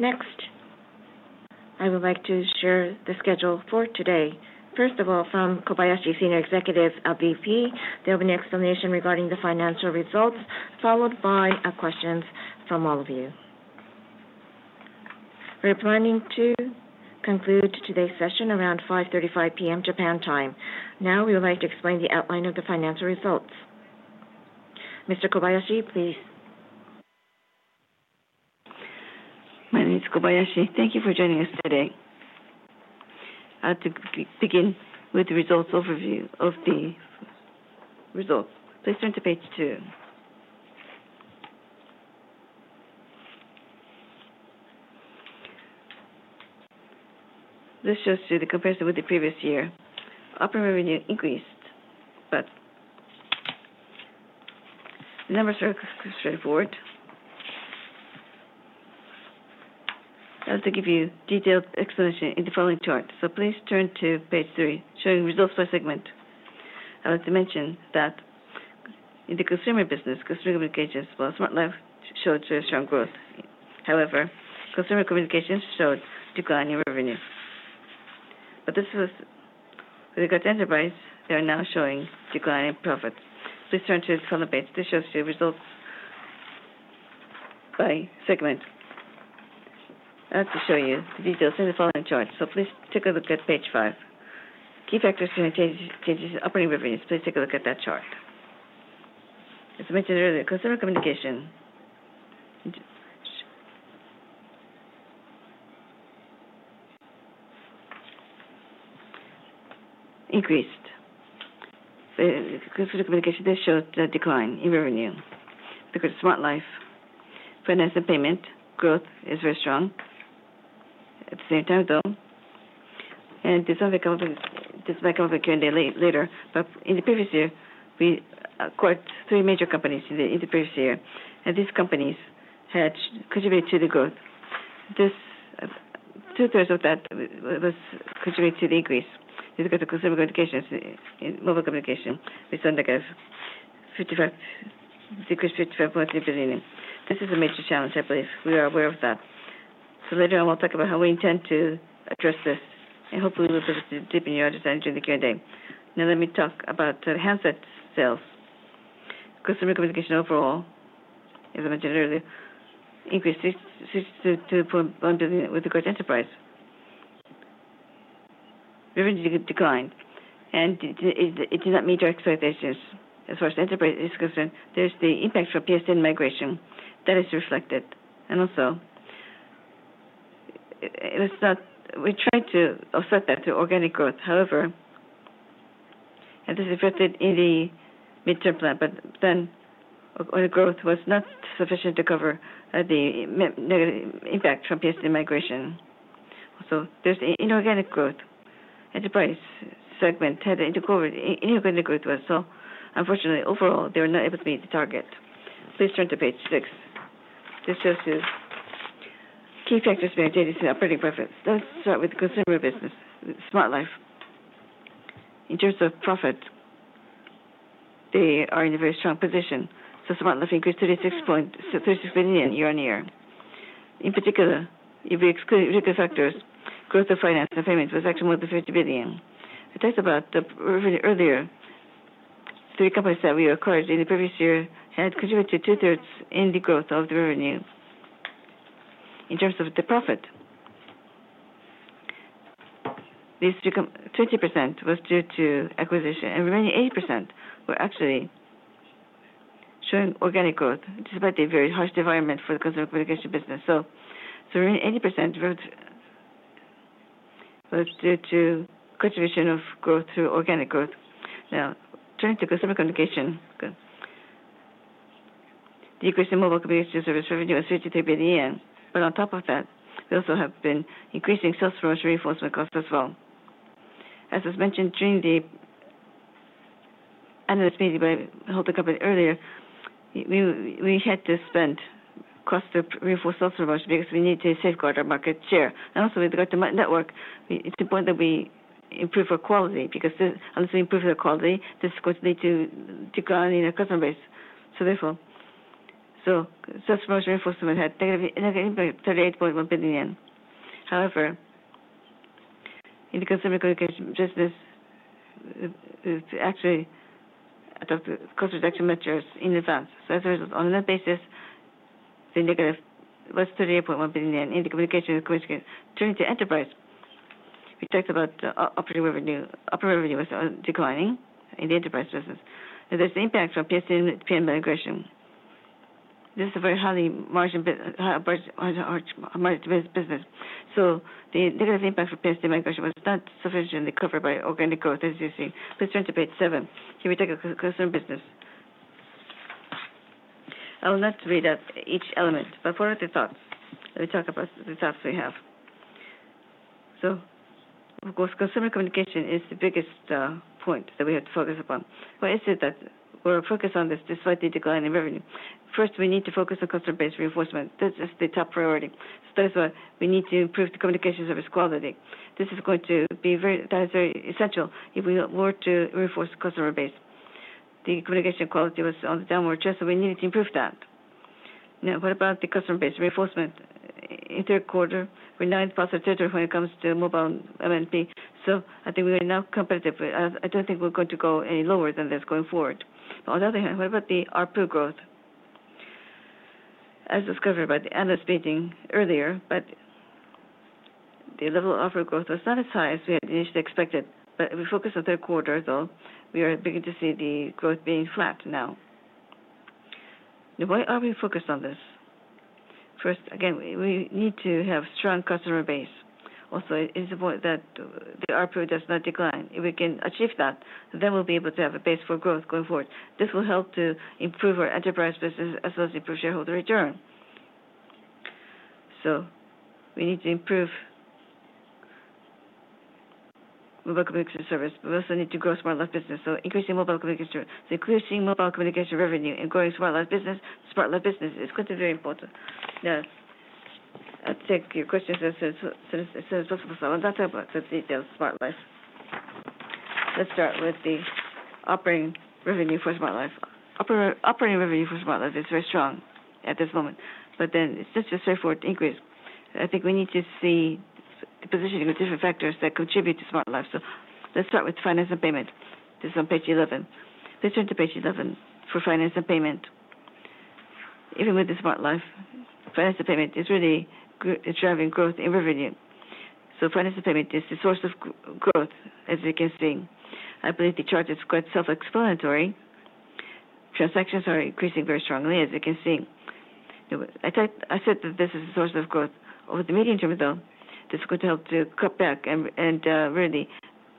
Next, I would like to share the schedule for today. First of all, from Kobayashi, Senior Executive VP, there will be an explanation regarding the financial results, followed by questions from all of you. We're planning to conclude today's session around 5:35 P.M. Japan time. Now, we would like to explain the outline of the financial results. Mr. Kobayashi, please. My name is Kobayashi. Thank you for joining us today. I'd like to begin with the results overview of the results. Please turn to page two. This shows you the comparison with the previous year. Operating revenue increased, but the numbers are straightforward. I'd like to give you a detailed explanation in the following chart. So please turn to page three, showing results by segment. I'd like to mention that in the Consumer Business, Consumer Communications as well as Smart Life showed strong growth. However, Consumer Communications showed declining revenue. But this was with regard to Enterprise. They are now showing declining profits. Please turn to the following page. This shows you results by segment. I'd like to show you the details in the following chart. So please take a look at page five. Key factors in changes in our revenues. Please take a look at that chart. As mentioned earlier, consumer communication increased. Consumer communication did show a decline in revenue. Because of Smart Life, finance, and payment, growth is very strong. At the same time, though, and this might come up again later, but in the previous year, we acquired three major companies in the previous year. And these companies had contributed to the growth. Two-thirds of that was contributed to the increase. Because of consumer communications and mobile communication, we saw a decrease of JYP 55.3 billion. This is a major challenge, I believe. We are aware of that. So later on, we'll talk about how we intend to address this. And hopefully, we'll be able to deepen your understanding during the Q&A. Now, let me talk about handset sales. Consumer communication overall, as I mentioned earlier, increased 62.1 billion with regard to enterprise. Revenue declined, and it did not meet our expectations. As far as enterprise is concerned, there's the impact for PSTN migration. That is reflected. And also, we tried to offset that through organic growth. However, this is reflected in the midterm plan, but then the growth was not sufficient to cover the negative impact from PSTN migration. Also, there's the inorganic growth. Enterprise segment had an inorganic growth as well. Unfortunately, overall, they were not able to meet the target. Please turn to page six. This shows you key factors maintained in operating profits. Let's start with consumer business, Smart Life. In terms of profit, they are in a very strong position. So Smart Life increased 36 billion year on year. In particular, if we exclude retail factors, growth of finance and payments was actually more than 50 billion. I talked about earlier three companies that we acquired in the previous year had contributed to two-thirds in the growth of the revenue. In terms of the profit, these 20% was due to acquisition, and remaining 80% were actually showing organic growth despite the very harsh environment for the consumer communication business, so the remaining 80% was due to contribution of growth through organic growth. Now, turning to consumer communication, decrease in mobile communication service revenue was 53 billion, but on top of that, we also have been increasing sales force reinforcement costs as well. As was mentioned during the analyst meeting by holding company earlier, we had to spend cost of reinforced sales force because we need to safeguard our market share, and also, with regard to network, it's important that we improve our quality because unless we improve the quality, this is going to lead to decline in our customer base, so therefore, sales force reinforcement had negative impact, JPY 38.1 billion. However, in the consumer communication business, we actually adopted cost reduction measures in advance. So as a result, on that basis, the negative was `JPY 38.1 billion in the consumer communication. Turning to enterprise, we talked about overall revenue. Overall revenue was declining in the enterprise business. There's the impact from PSTN and IP migration. This is a very high-margin business. So the negative impact from PSTN migration was not sufficiently covered by organic growth as you see. Please turn to page seven for the consumer business. I will not read out each element, but forward the thoughts. Let me talk about the thoughts we have. So consumer communication is the biggest point that we have to focus upon. Why is it that we're focused on this despite the declining revenue? First, we need to focus on customer base reinforcement. This is the top priority. So that is why we need to improve the communication service quality. This is going to be very essential if we were to reinforce the customer base. The communication quality was on the downward trend, so we needed to improve that. Now, what about the customer base reinforcement? In third quarter, we're net positive when it comes to mobile MNP. So I think we are now competitive. I don't think we're going to go any lower than this going forward. On the other hand, what about the ARPU growth? As discovered by the analyst meeting earlier, the level of ARPU growth was not as high as we had initially expected. But if we focus on third quarter, though, we are beginning to see the growth being flat now. Now, why are we focused on this? First, again, we need to have a strong customer base. Also, it is important that the ARPU does not decline. If we can achieve that, then we'll be able to have a base for growth going forward. This will help to improve our enterprise business as well as improve shareholder return. So we need to improve mobile communication service. We also need to grow Smart Life business. So increasing mobile communication service. So increasing mobile communication revenue and growing Smart Life business, Smart Life business is going to be very important. Now, I'll take your questions as soon as possible. So I will not talk about the details of Smart Life. Let's start with the operating revenue for Smart Life. Operating revenue for Smart Life is very strong at this moment. But then it's just a straightforward increase. I think we need to see the positioning of different factors that contribute to Smart Life. So let's start with finance and payment. This is on page 11. Please turn to page 11 for finance and payment. Even with the smart life, finance and payment is really driving growth in revenue. So finance and payment is the source of growth, as you can see. I believe the chart is quite self-explanatory. Transactions are increasing very strongly, as you can see. I said that this is the source of growth. Over the medium term, though, this could help to cut back and really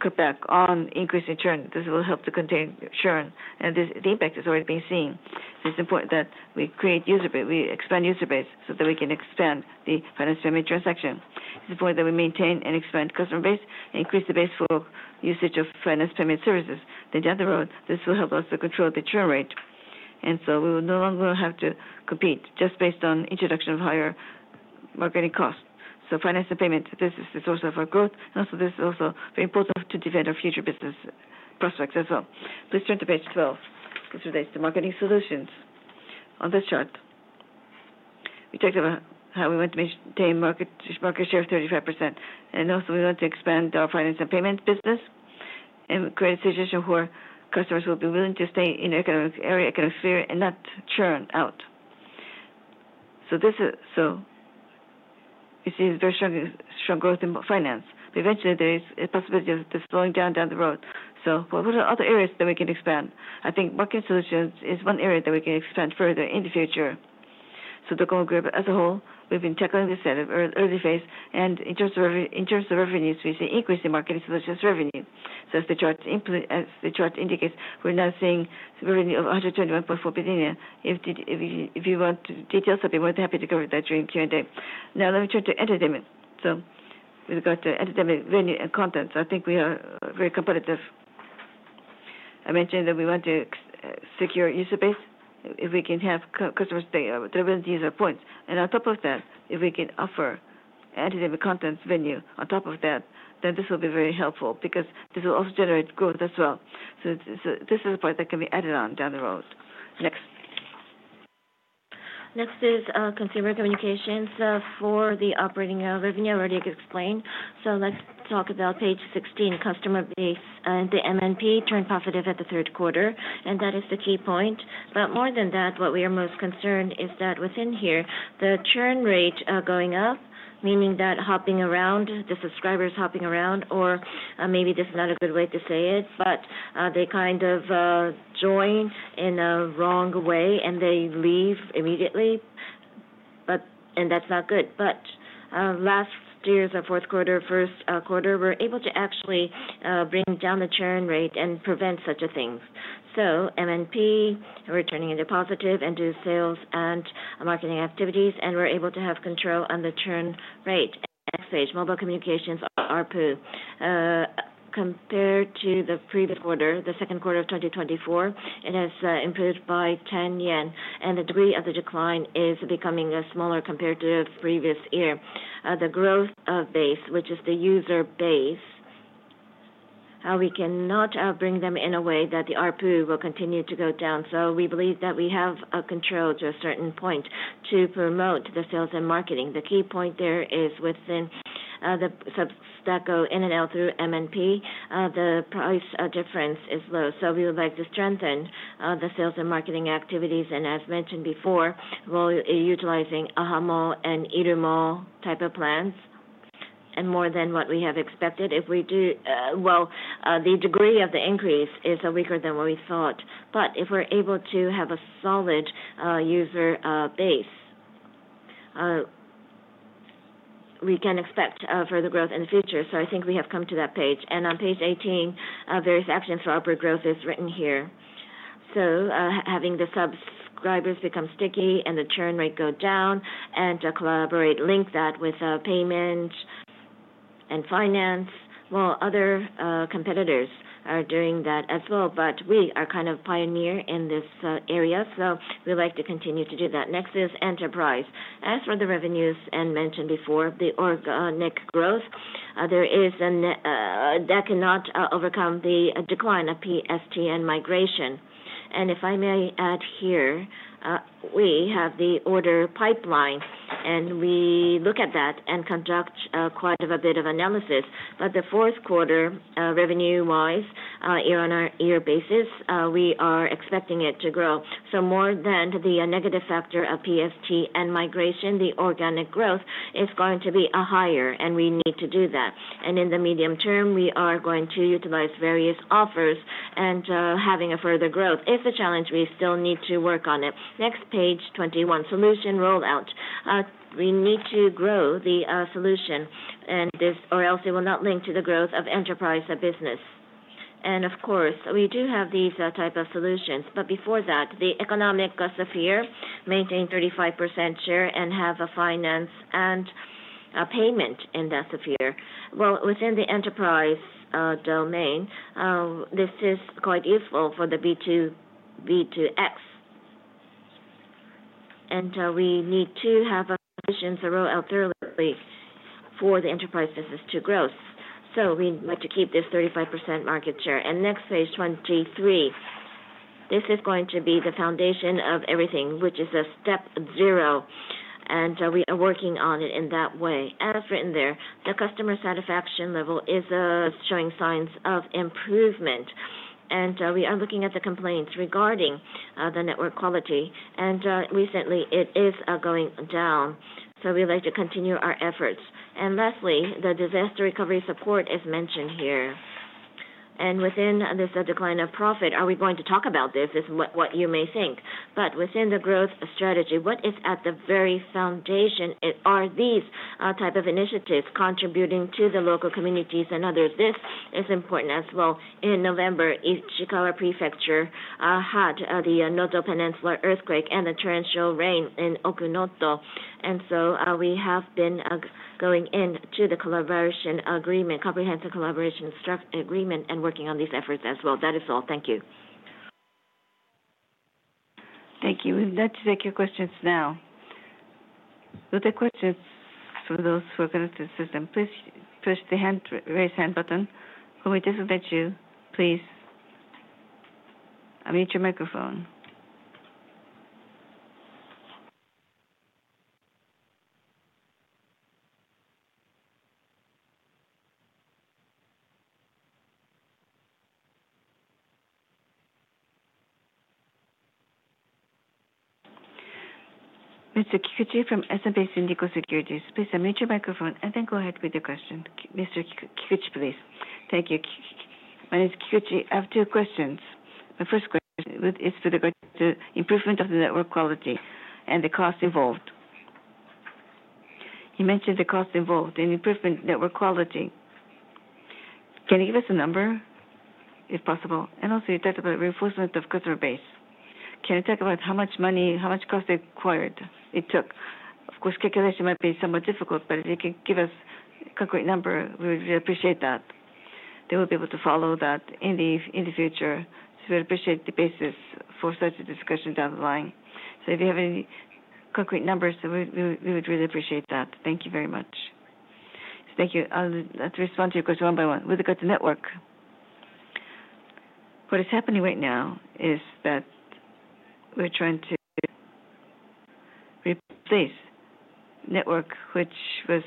cut back on increasing churn. This will help to contain churn. And the impact is already being seen. So it's important that we create user base. We expand user base so that we can expand the finance payment transaction. It's important that we maintain and expand customer base and increase the base for usage of finance payment services. Then down the road, this will help us to control the churn rate. And so we will no longer have to compete just based on introduction of higher marketing costs. So finance and payment, this is the source of our growth. And also, this is also very important to defend our future business prospects as well. Please turn to page 12. This relates to marketing solutions. On this chart, we talked about how we want to maintain market share of 35%. And also, we want to expand our finance and payment business and create a situation where customers will be willing to stay in an economic area, economic sphere, and not churn out. So you see very strong growth in finance. But eventually, there is a possibility of this slowing down the road. So what are other areas that we can expand? I think marketing solutions is one area that we can expand further in the future. So the global group as a whole, we've been tackling this at an early phase. And in terms of revenues, we see increase in marketing solutions revenue. So as the chart indicates, we're now seeing revenue of 121.4 billion. If you want details, I'd be more than happy to cover that during Q&A. Now, let me turn to entertainment. So with regard to entertainment, venue, and contents, I think we are very competitive. I mentioned that we want to secure user base if we can have customers stay with user points. And on top of that, if we can offer entertainment content venue on top of that, then this will be very helpful because this will also generate growth as well. So this is a part that can be added on down the road. Next. Next is consumer communications for the operating revenue, I already explained. So let's talk about page 16, customer base and the MNP turned positive at the third quarter, and that is the key point, but more than that, what we are most concerned is that within here, the churn rate going up, meaning that hopping around, the subscribers hopping around, or maybe this is not a good way to say it, but they kind of join in a wrong way and they leave immediately, and that's not good, but last year's fourth quarter, first quarter, we're able to actually bring down the churn rate and prevent such a thing. So MNP returning into positive and do sales and marketing activities, and we're able to have control on the churn rate. Next page, mobile communications, ARPU. Compared to the previous quarter, the second quarter of 2024, it has improved by 10 yen. The degree of the decline is becoming smaller compared to the previous year. The growth of base, which is the user base, how we cannot bring them in a way that the ARPU will continue to go down. We believe that we have a control to a certain point to promote the sales and marketing. The key point there is within the subs go in and out through MNP, the price difference is low. We would like to strengthen the sales and marketing activities. As mentioned before, we're utilizing ahamo and irumo type of plans and more than what we have expected. If we do, well, the degree of the increase is weaker than what we thought. If we're able to have a solid user base, we can expect further growth in the future. I think we have come to that page. On page 18, various actions for upward growth is written here. Having the subscribers become sticky and the churn rate go down and collaborate, link that with payment and finance. Other competitors are doing that as well, but we are kind of pioneer in this area. We'd like to continue to do that. Next is enterprise. As for the revenues, as mentioned before, the organic growth, there is a net that cannot overcome the decline of PSTN migration. If I may add here, we have the order pipeline, and we look at that and conduct quite a bit of analysis. The fourth quarter, revenue-wise, year-on-year basis, we are expecting it to grow. So more than the negative factor of PSTN migration, the organic growth is going to be higher, and we need to do that. And in the medium term, we are going to utilize various offers and having a further growth. It's a challenge we still need to work on it. Next page, 21, solution rollout. We need to grow the solution, or else it will not link to the growth of enterprise business. And of course, we do have these types of solutions. But before that, the economic base of here, maintain 35% share and have a finance and payment in that sphere. Well, within the enterprise domain, this is quite useful for the B2B2X. And we need to have a position thorough and thoroughly for the enterprise business to grow. So we need to keep this 35% market share. And next page, 23, this is going to be the foundation of everything, which is a step zero. And we are working on it in that way. As written there, the customer satisfaction level is showing signs of improvement. And we are looking at the complaints regarding the network quality. And recently, it is going down. So we'd like to continue our efforts. And lastly, the disaster recovery support is mentioned here. And within this decline of profit, are we going to talk about this? This is what you may think. But within the growth strategy, what is at the very foundation are these types of initiatives contributing to the local communities and others. This is important as well. In November, Ishikawa Prefecture had the Noto Peninsula earthquake and the torrential rain in Okunoto. And so we have been going into the collaboration agreement, comprehensive collaboration agreement, and working on these efforts as well. That is all. Thank you. Thank you. We'd like to take your questions now. With the questions for those who are going to the system, please push the raise hand button. When we disconnect you, please unmute your microphone. Mr. Kikuchi from SMBC Nikko Securities, please unmute your microphone and then go ahead with your question. Mr. Kikuchi, please. Thank you. My name is Kikuchi. I have two questions. My first question is with regard to improvement of the network quality and the cost involved. You mentioned the cost involved in improvement network quality. Can you give us a number if possible? And also, you talked about reinforcement of customer base. Can you talk about how much money, how much cost it required, it took? Of course, calculation might be somewhat difficult, but if you can give us a concrete number, we would really appreciate that. They will be able to follow that in the future. So we'd appreciate the basis for such a discussion down the line. So if you have any concrete numbers, we would really appreciate that. Thank you very much. Thank you. I'll respond to your question one by one. With regard to network, what is happening right now is that we're trying to replace network, which was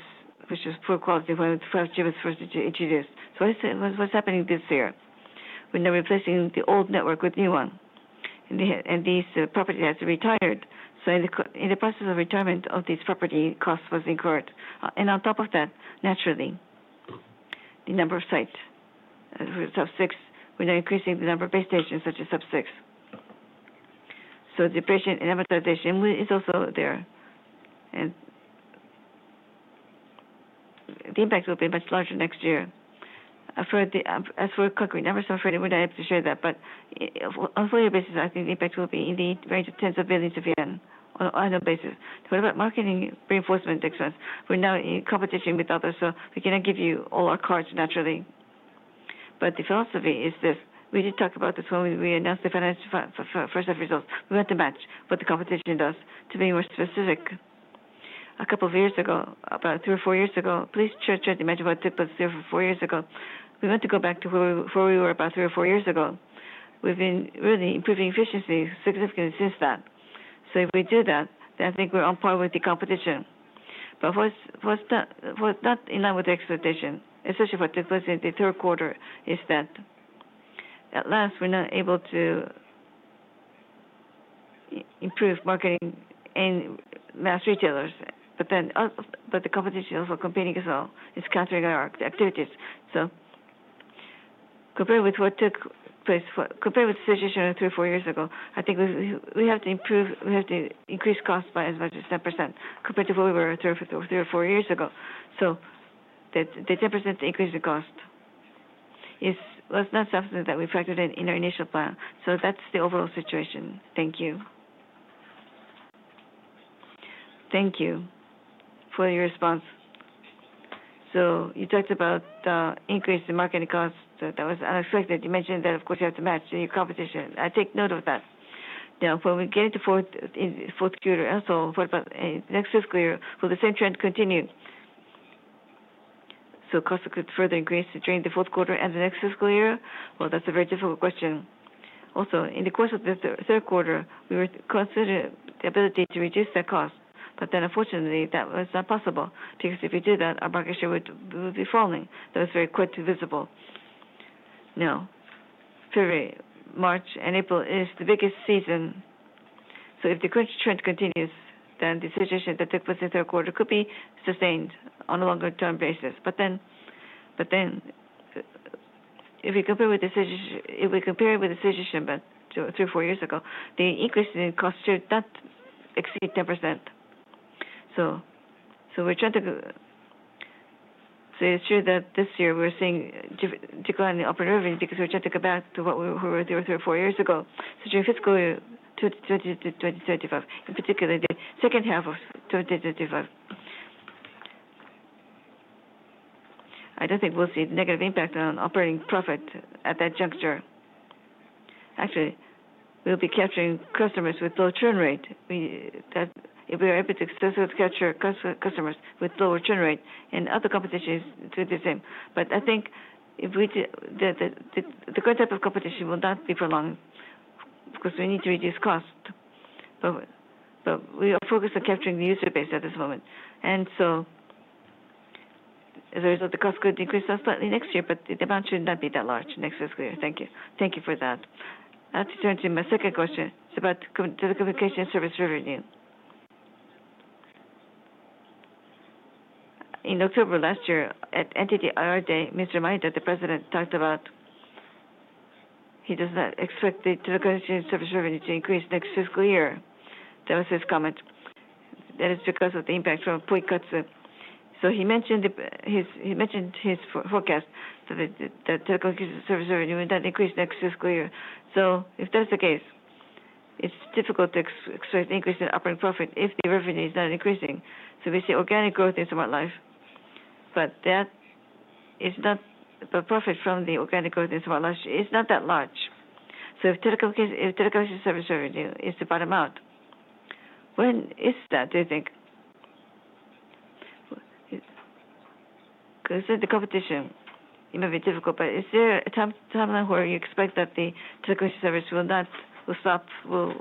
poor quality when 5G was first introduced. So what's happening this year? We're now replacing the old network with a new one. And these properties have retired. So in the process of retirement of these properties, cost was incurred. And on top of that, naturally, the number of sites, we're Sub-6. We're now increasing the number of base stations such as Sub-6, so depreciation and amortization is also there, and the impact will be much larger next year. As for concrete numbers, I'm afraid we're not able to share that, but on a four-year basis, I think the impact will be in the range of tens of billions of JPY on an annual basis. What about marketing reinforcement? We're now in competition with others, so we cannot give you all our cards naturally, but the philosophy is this. We did talk about this when we announced the financial first-half results. We want to match what the competition does to be more specific. A couple of years ago, about three or four years ago, please try to imagine what it was three or four years ago. We want to go back to where we were about three or four years ago. We've been really improving efficiency significantly since that. So if we do that, then I think we're on par with the competition. But what's not in line with the expectation, especially for the third quarter, is that at last, we're not able to improve marketing and mass retailers. But the competition is also competing as well. It's countering our activities. So compared with what took place, compared with the situation three or four years ago, I think we have to improve. We have to increase cost by as much as 10% compared to what we were three or four years ago. So the 10% increase in cost was not something that we factored in in our initial plan. So that's the overall situation. Thank you. Thank you for your response. So you talked about the increase in marketing costs that was unexpected. You mentioned that, of course, you have to match your competition. I take note of that. Now, when we get into fourth quarter, also for the next fiscal year, will the same trend continue? So costs could further increase during the fourth quarter and the next fiscal year? Well, that's a very difficult question. Also, in the course of the third quarter, we were considering the ability to reduce that cost. But then, unfortunately, that was not possible because if we did that, our market share would be falling. That was very quickly visible. Now, February, March, and April is the biggest season. So if the current trend continues, then the situation that took place in the third quarter could be sustained on a longer-term basis. But then, if we compare with the situation, if we compare with the situation three or four years ago, the increase in cost should not exceed 10%. So we're trying to say it's true that this year we're seeing a decline in the operating revenue because we're trying to go back to what we were three or four years ago, so during fiscal year 2020 to 2025, in particular the second half of 2025. I don't think we'll see a negative impact on operating profit at that juncture. Actually, we'll be capturing customers with low churn rate. If we are able to successfully capture customers with lower churn rate and other competitions, it's going to be the same. But I think the current type of competition will not be prolonged. Of course, we need to reduce cost. But we are focused on capturing the user base at this moment. As a result, the cost could increase slightly next year, but the amount should not be that large next fiscal year. Thank you. Thank you for that. Now, to turn to my second question, it's about telecommunication service revenue. In October last year, at NTT IR Day, Mr. Shimada, the president, talked about he does not expect the telecommunication service revenue to increase next fiscal year. That was his comment. That is because of the impact from Poikatsu. So he mentioned his forecast that the telecommunication service revenue will not increase next fiscal year. So if that's the case, it's difficult to expect an increase in operating profit if the revenue is not increasing. So we see organic growth in smart life. But the profit from the organic growth in smart life is not that large. So if telecommunication service revenue is to bottom out, when is that, do you think? Because the competition, it may be difficult, but is there a timeline where you expect that the telecommunication service will stop, will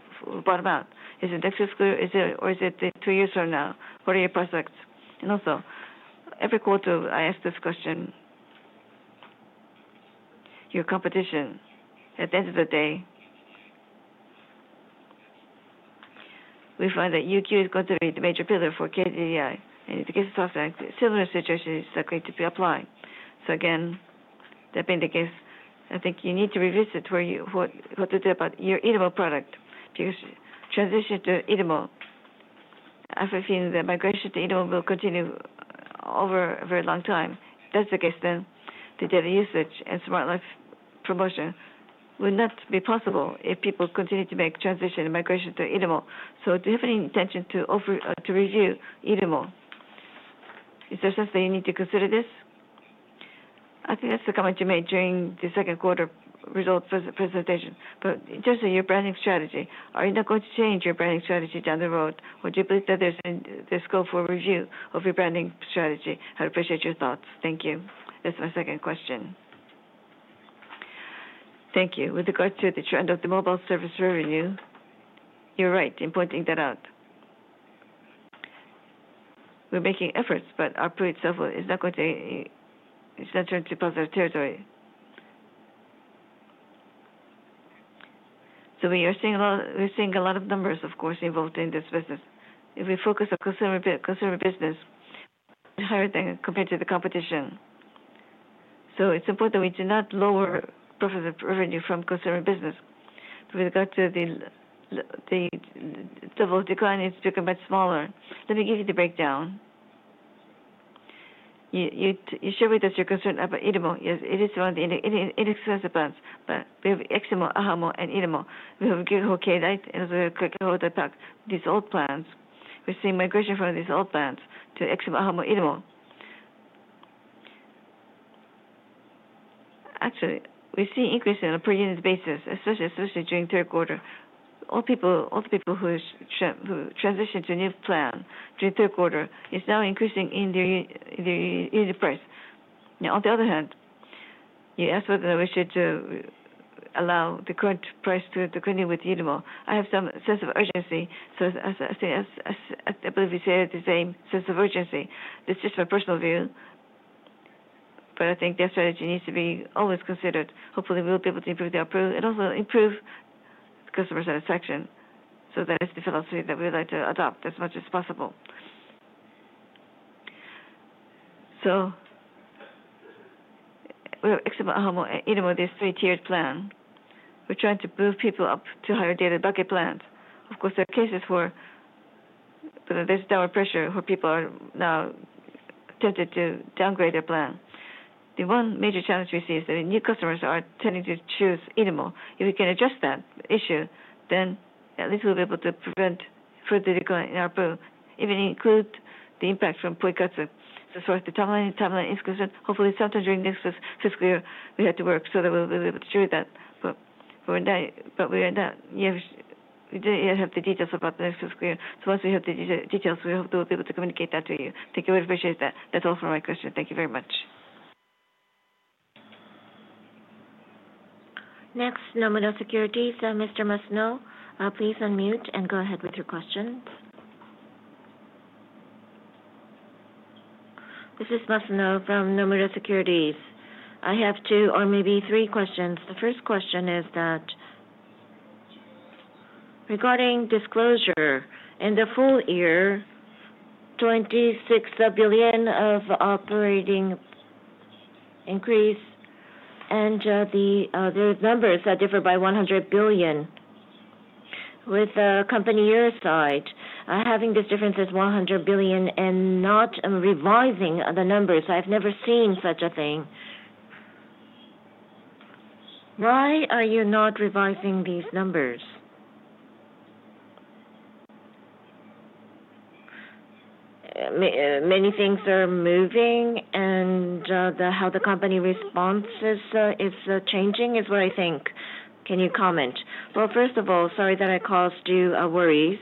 bottom out? Is it next fiscal year, or is it two years from now? What are your prospects? And also, every quarter, I ask this question, your competition. At the end of the day, we find that UQ is going to be the major pillar for KDDI. And in the case of SoftBank, a similar situation is going to be applied. So again, that being the case, I think you need to revisit what to do about your irumo product because transition to irumo, I've seen the migration to irumo will continue over a very long time. That's the case, then. The data usage and smart life promotion would not be possible if people continue to make transition and migration to irumo. So do you have any intention to review irumo? Is there something you need to consider this? I think that's the comment you made during the second quarter results presentation. But in terms of your branding strategy, are you not going to change your branding strategy down the road? Or do you believe that there's scope for review of your branding strategy? I'd appreciate your thoughts. Thank you. That's my second question. Thank you. With regards to the trend of the mobile service revenue, you're right in pointing that out. We're making efforts, but our ARPU itself is not going to turn to positive territory. So we are seeing a lot of numbers, of course, involved in this business. If we focus on consumer business, it's higher than compared to the competition. So it's important that we do not lower profit revenue from consumer business. With regard to the decline, it's becoming much smaller. Let me give you the breakdown. You shared with us your concern about irumo. It is one of the existing plans. But we have eximo, ahamo, and irumo. We have Gigaho and also Gigalight, these old plans. We're seeing migration from these old plans to eximo, ahamo, irumo. Actually, we see increasing on a per-unit basis, especially during the third quarter. All the people who transition to a new plan during the third quarter is now increasing in their unit price. Now, on the other hand, you asked whether we should allow the current price to continue with irumo. I have some sense of urgency. I believe we share the same sense of urgency. This is just my personal view. But I think their strategy needs to be always considered. Hopefully, we'll be able to improve their approval and also improve customer satisfaction. That is the philosophy that we'd like to adopt as much as possible. We have eximo, ahamo, irumo. There is a three-tiered plan. We are trying to move people up to higher data bucket plans. Of course, there are cases where there is downward pressure where people are now tempted to downgrade their plan. The one major challenge we see is that new customers are tending to choose irumo. If we can address that issue, then at least we will be able to prevent further decline in our pool. Even include the impact from Poikatsu. So as far as the timeline is concerned, hopefully sometime during next fiscal year, we have to work so that we'll be able to do that. But we have the details about the next fiscal year. So once we have the details, we hope we'll be able to communicate that to you. Thank you. We'd appreciate that. That's all for my question. Thank you very much. Next, Nomura Securities. Mr. Masuno, please unmute and go ahead with your question. This is Masuno from Nomura Securities. I have two, or maybe three, questions. The first question is that regarding disclosure in the full year, 26 billion of operating increase, and the numbers differ by 100 billion. On the company side, having this difference of 100 billion and not revising the numbers. I've never seen such a thing. Why are you not revising these numbers? Many things are moving, and how the company responds is changing is what I think. Can you comment? Well, first of all, sorry that I caused you worries.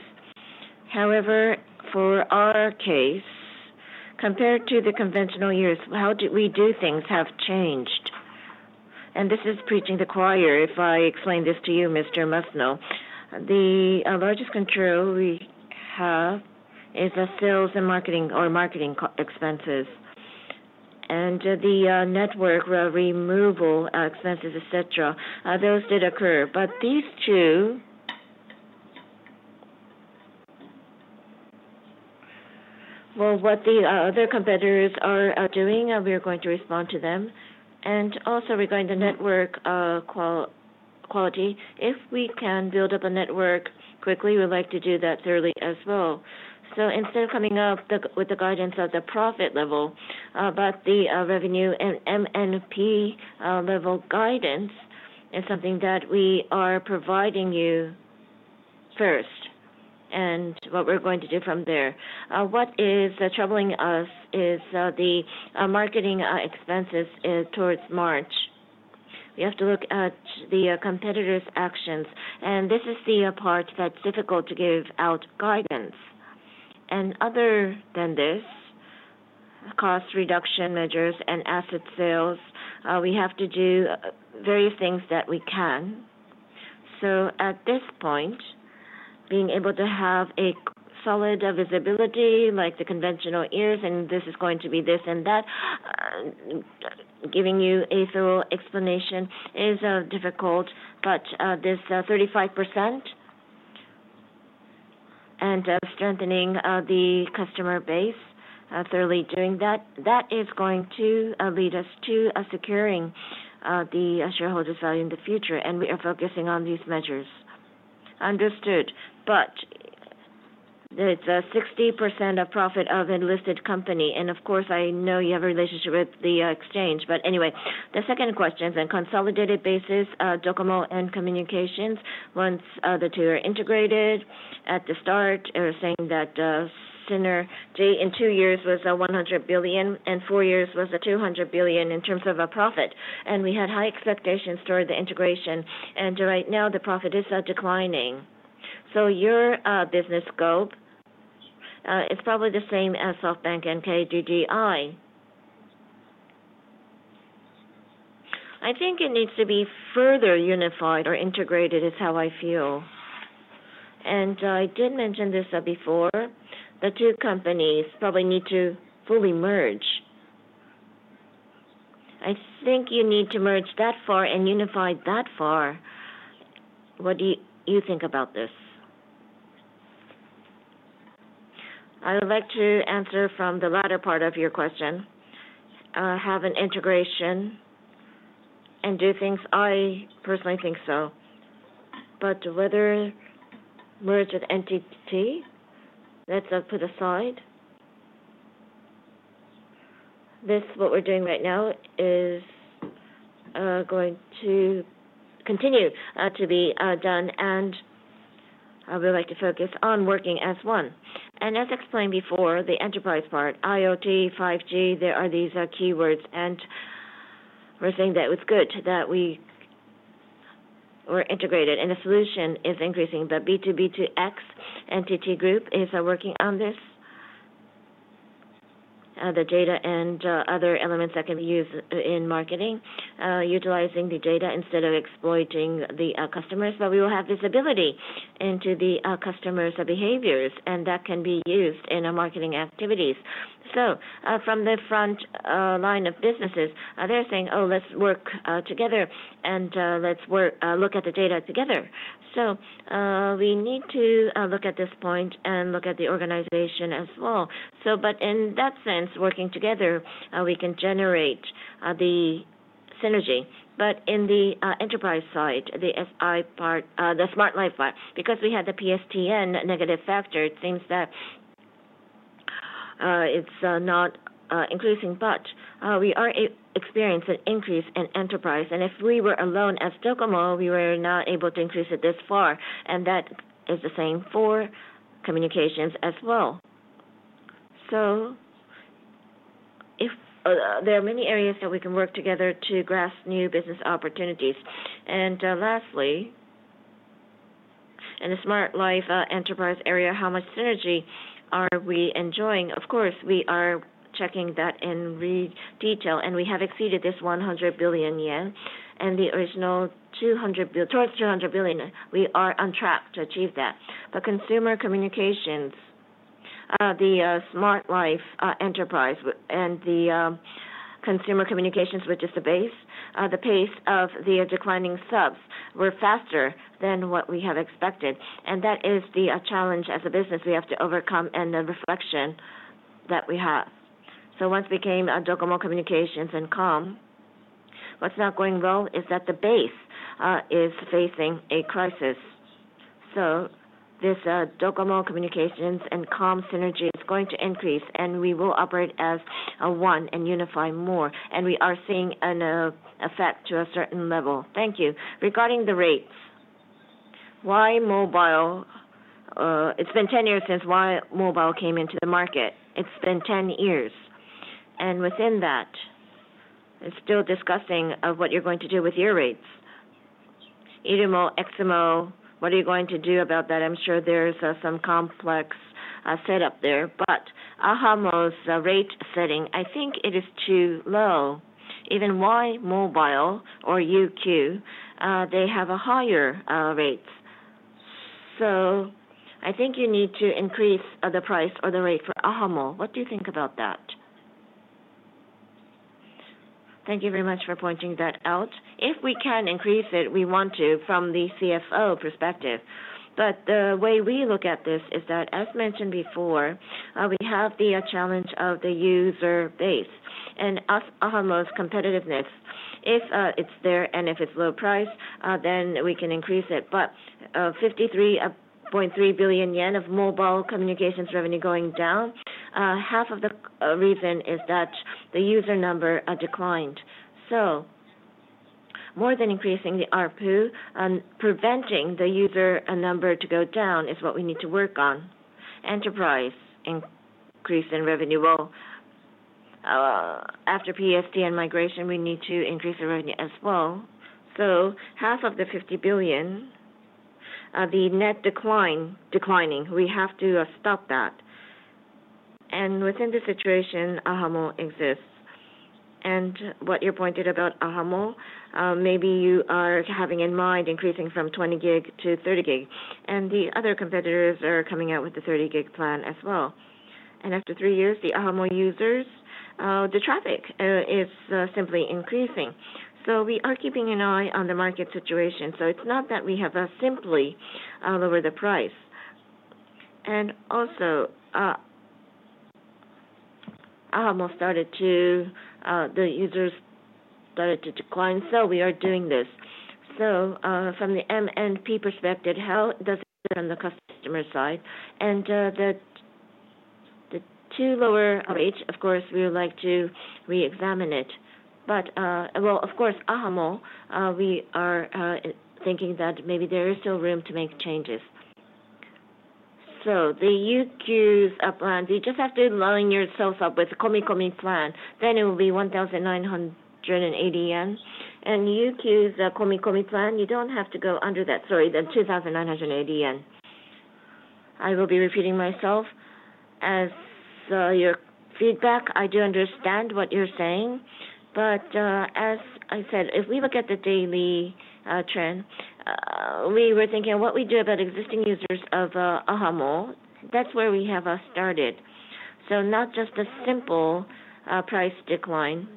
However, for our case, compared to the conventional years, how did we do things have changed, and this is preaching to the choir if I explain this to you, Mr. Masuno. The largest control we have is sales and marketing or marketing expenses, and the network promotion expenses, etc., those did occur. But these two, well, what the other competitors are doing, we're going to respond to them, and also, regarding the network quality, if we can build up a network quickly, we'd like to do that thoroughly as well. So instead of coming up with the guidance of the profit level, but the revenue and MNP level guidance is something that we are providing you first. What we're going to do from there. What is troubling us is the marketing expenses towards March. We have to look at the competitors' actions. This is the part that's difficult to give out guidance. Other than this, cost reduction measures and asset sales, we have to do various things that we can. At this point, being able to have a solid visibility like the conventional years, and this is going to be this and that, giving you a thorough explanation is difficult. This 35% and strengthening the customer base, thoroughly doing that, that is going to lead us to securing the shareholders' value in the future. We are focusing on these measures. Understood. It's 60% of profit of listed company. Of course, I know you have a relationship with the exchange. Anyway, the second question is on a consolidated basis, DOCOMO and communications. Once the two are integrated, at the start, they were saying that synergy in two years was 100 billion and four years was 200 billion in terms of profit. And we had high expectations toward the integration. And right now, the profit is declining. So your business scope is probably the same as SoftBank and KDDI. I think it needs to be further unified or integrated is how I feel. And I did mention this before. The two companies probably need to fully merge. I think you need to merge that far and unify that far. What do you think about this? I would like to answer from the latter part of your question. Have an integration and do things. I personally think so. But whether merge an entity, let's put aside. This, what we're doing right now, is going to continue to be done. And we'd like to focus on working as one. And as explained before, the enterprise part, IoT, 5G, there are these keywords. And we're saying that it's good that we were integrated. And the solution is increasing. The B2B2X entity group is working on this, the data and other elements that can be used in marketing, utilizing the data instead of exploiting the customers. But we will have visibility into the customers' behaviors. And that can be used in our marketing activities. So from the front line of businesses, they're saying, "Oh, let's work together and let's look at the data together." So we need to look at this point and look at the organization as well. But in that sense, working together, we can generate the synergy. But in the enterprise side, the SI part, the smart life part, because we had the PSTN negative factor, it seems that it's not increasing. But we are experiencing an increase in enterprise. And if we were alone as DOCOMO, we were not able to increase it this far. And that is the same for communications as well. So there are many areas that we can work together to grasp new business opportunities. And lastly, in the smart life enterprise area, how much synergy are we enjoying? Of course, we are checking that in detail. And we have exceeded 100 billion yen. And the original towards 200 billion, we are on track to achieve that. But consumer communications, the smart life enterprise, and the consumer communications, which is the base, the pace of the declining subs were faster than what we have expected. That is the challenge as a business we have to overcome and the reflection that we have. Once we came at NTT DOCOMO and Comware, what's not going well is that the base is facing a crisis. This NTT DOCOMO and Comware synergy is going to increase, and we will operate as one and unify more. We are seeing an effect to a certain level. Thank you. Regarding the rates, it's been 10 years since Y!mobile came into the market. It's been 10 years. Within that, it's still discussing what you're going to do with your rates. irumo, eximo, what are you going to do about that? I'm sure there's some complex setup there, but ahamo's rate setting, I think it is too low. Even Y!mobile or UQ, they have higher rates. I think you need to increase the price or the rate for ahamo. What do you think about that? Thank you very much for pointing that out. If we can increase it, we want to from the CFO perspective. But the way we look at this is that, as mentioned before, we have the challenge of the user base and ahamo's competitiveness. If it's there and if it's low price, then we can increase it. But 53.3 billion yen of mobile communications revenue going down, half of the reason is that the user number declined. So more than increasing the ARPU, preventing the user number to go down is what we need to work on. Enterprise increase in revenue. After PSTN migration, we need to increase the revenue as well. So half of the 50 billion, the net declining, we have to stop that. Within this situation, ahamo exists. What you pointed about ahamo, maybe you are having in mind increasing from 20 GB to 30 GB. The other competitors are coming out with the 30 GB plan as well. After three years, the ahamo users, the traffic is simply increasing. We are keeping an eye on the market situation. It's not that we have simply lowered the price. Also, ahamo started to, the users started to decline. We are doing this. From the MNP perspective, how does it sit on the customer side? The two lower rates, of course, we would like to re-examine it. But well, of course, ahamo, we are thinking that maybe there is still room to make changes. The UQ's plan, you just have to line yourself up with the Komi-komi Plan. Then it will be 1,980 yen. UQ's Komi-komi plan, you don't have to go under that, sorry, than 2,980 yen. I will be repeating myself as your feedback. I do understand what you're saying, but as I said, if we look at the daily trend, we were thinking what we do about existing users of ahamo, that's where we have started, so not just a simple price decline.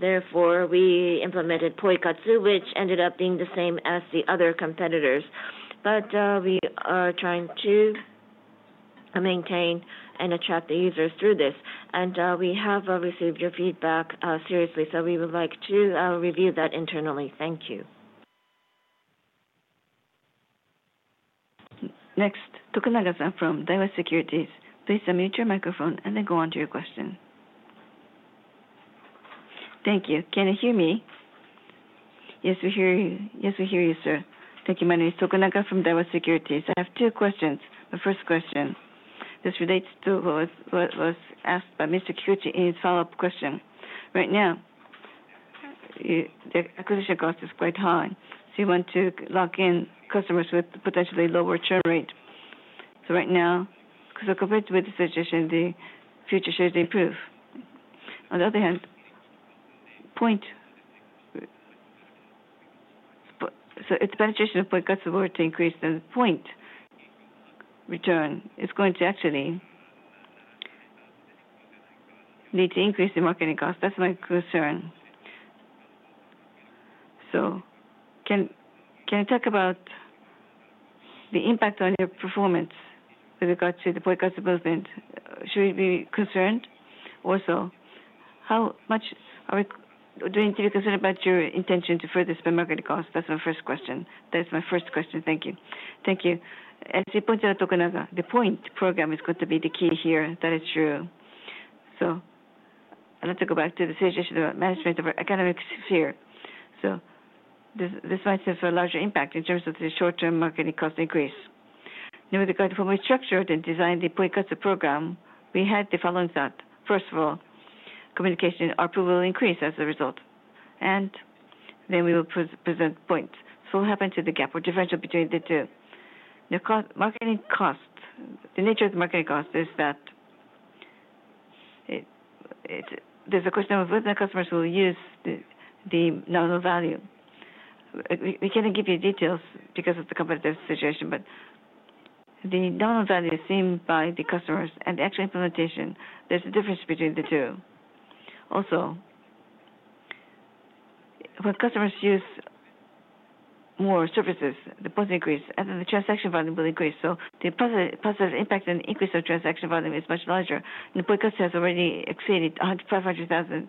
Therefore, we implemented Poikatsu, which ended up being the same as the other competitors, but we are trying to maintain and attract the users through this, and we have received your feedback seriously, so we would like to review that internally. Thank you. Next, Tokunaga-san from Daiwa Securities. Please unmute your microphone and then go on to your question. Thank you. Can you hear me? Yes, we hear you. Yes, we hear you, sir. Thank you, My name is Tokunaga from Daiwa Securities. I have two questions. The first question this relates to what was asked by Mr. Kikuchi in his follow-up question. Right now, the acquisition cost is quite high. So you want to lock in customers with potentially lower churn rate. So right now, because of compared with the situation, the future should improve. On the other hand, point, so it's beneficial for Poikatsu to increase than point return. It's going to actually need to increase the marketing cost. That's my concern. So can you talk about the impact on your performance with regard to the Poikatsu movement? Should we be concerned? Also, how much are we doing to be concerned about your intention to further spend marketing cost? That's my first question. Thank you. As you pointed out, Tokunaga, the point program is going to be the key here. That is true. So I'd like to go back to the situation of management of our academic sphere. So this might have a larger impact in terms of the short-term marketing cost increase. With regard to how we structured and designed the Poikatsu program, we had the following thought. First of all, communication ARPU will increase as a result. And then we will present points. So what happened to the gap or differential between the two? The nature of the marketing cost is that there's a question of whether customers will use the nominal value. We can't give you details because of the competitive situation. But the nominal value is seen by the customers and the actual implementation. There's a difference between the two. Also, when customers use more services, the points increase and then the transaction volume will increase. So the positive impact and increase of transaction volume is much larger. Poikatsu has already exceeded 500,000.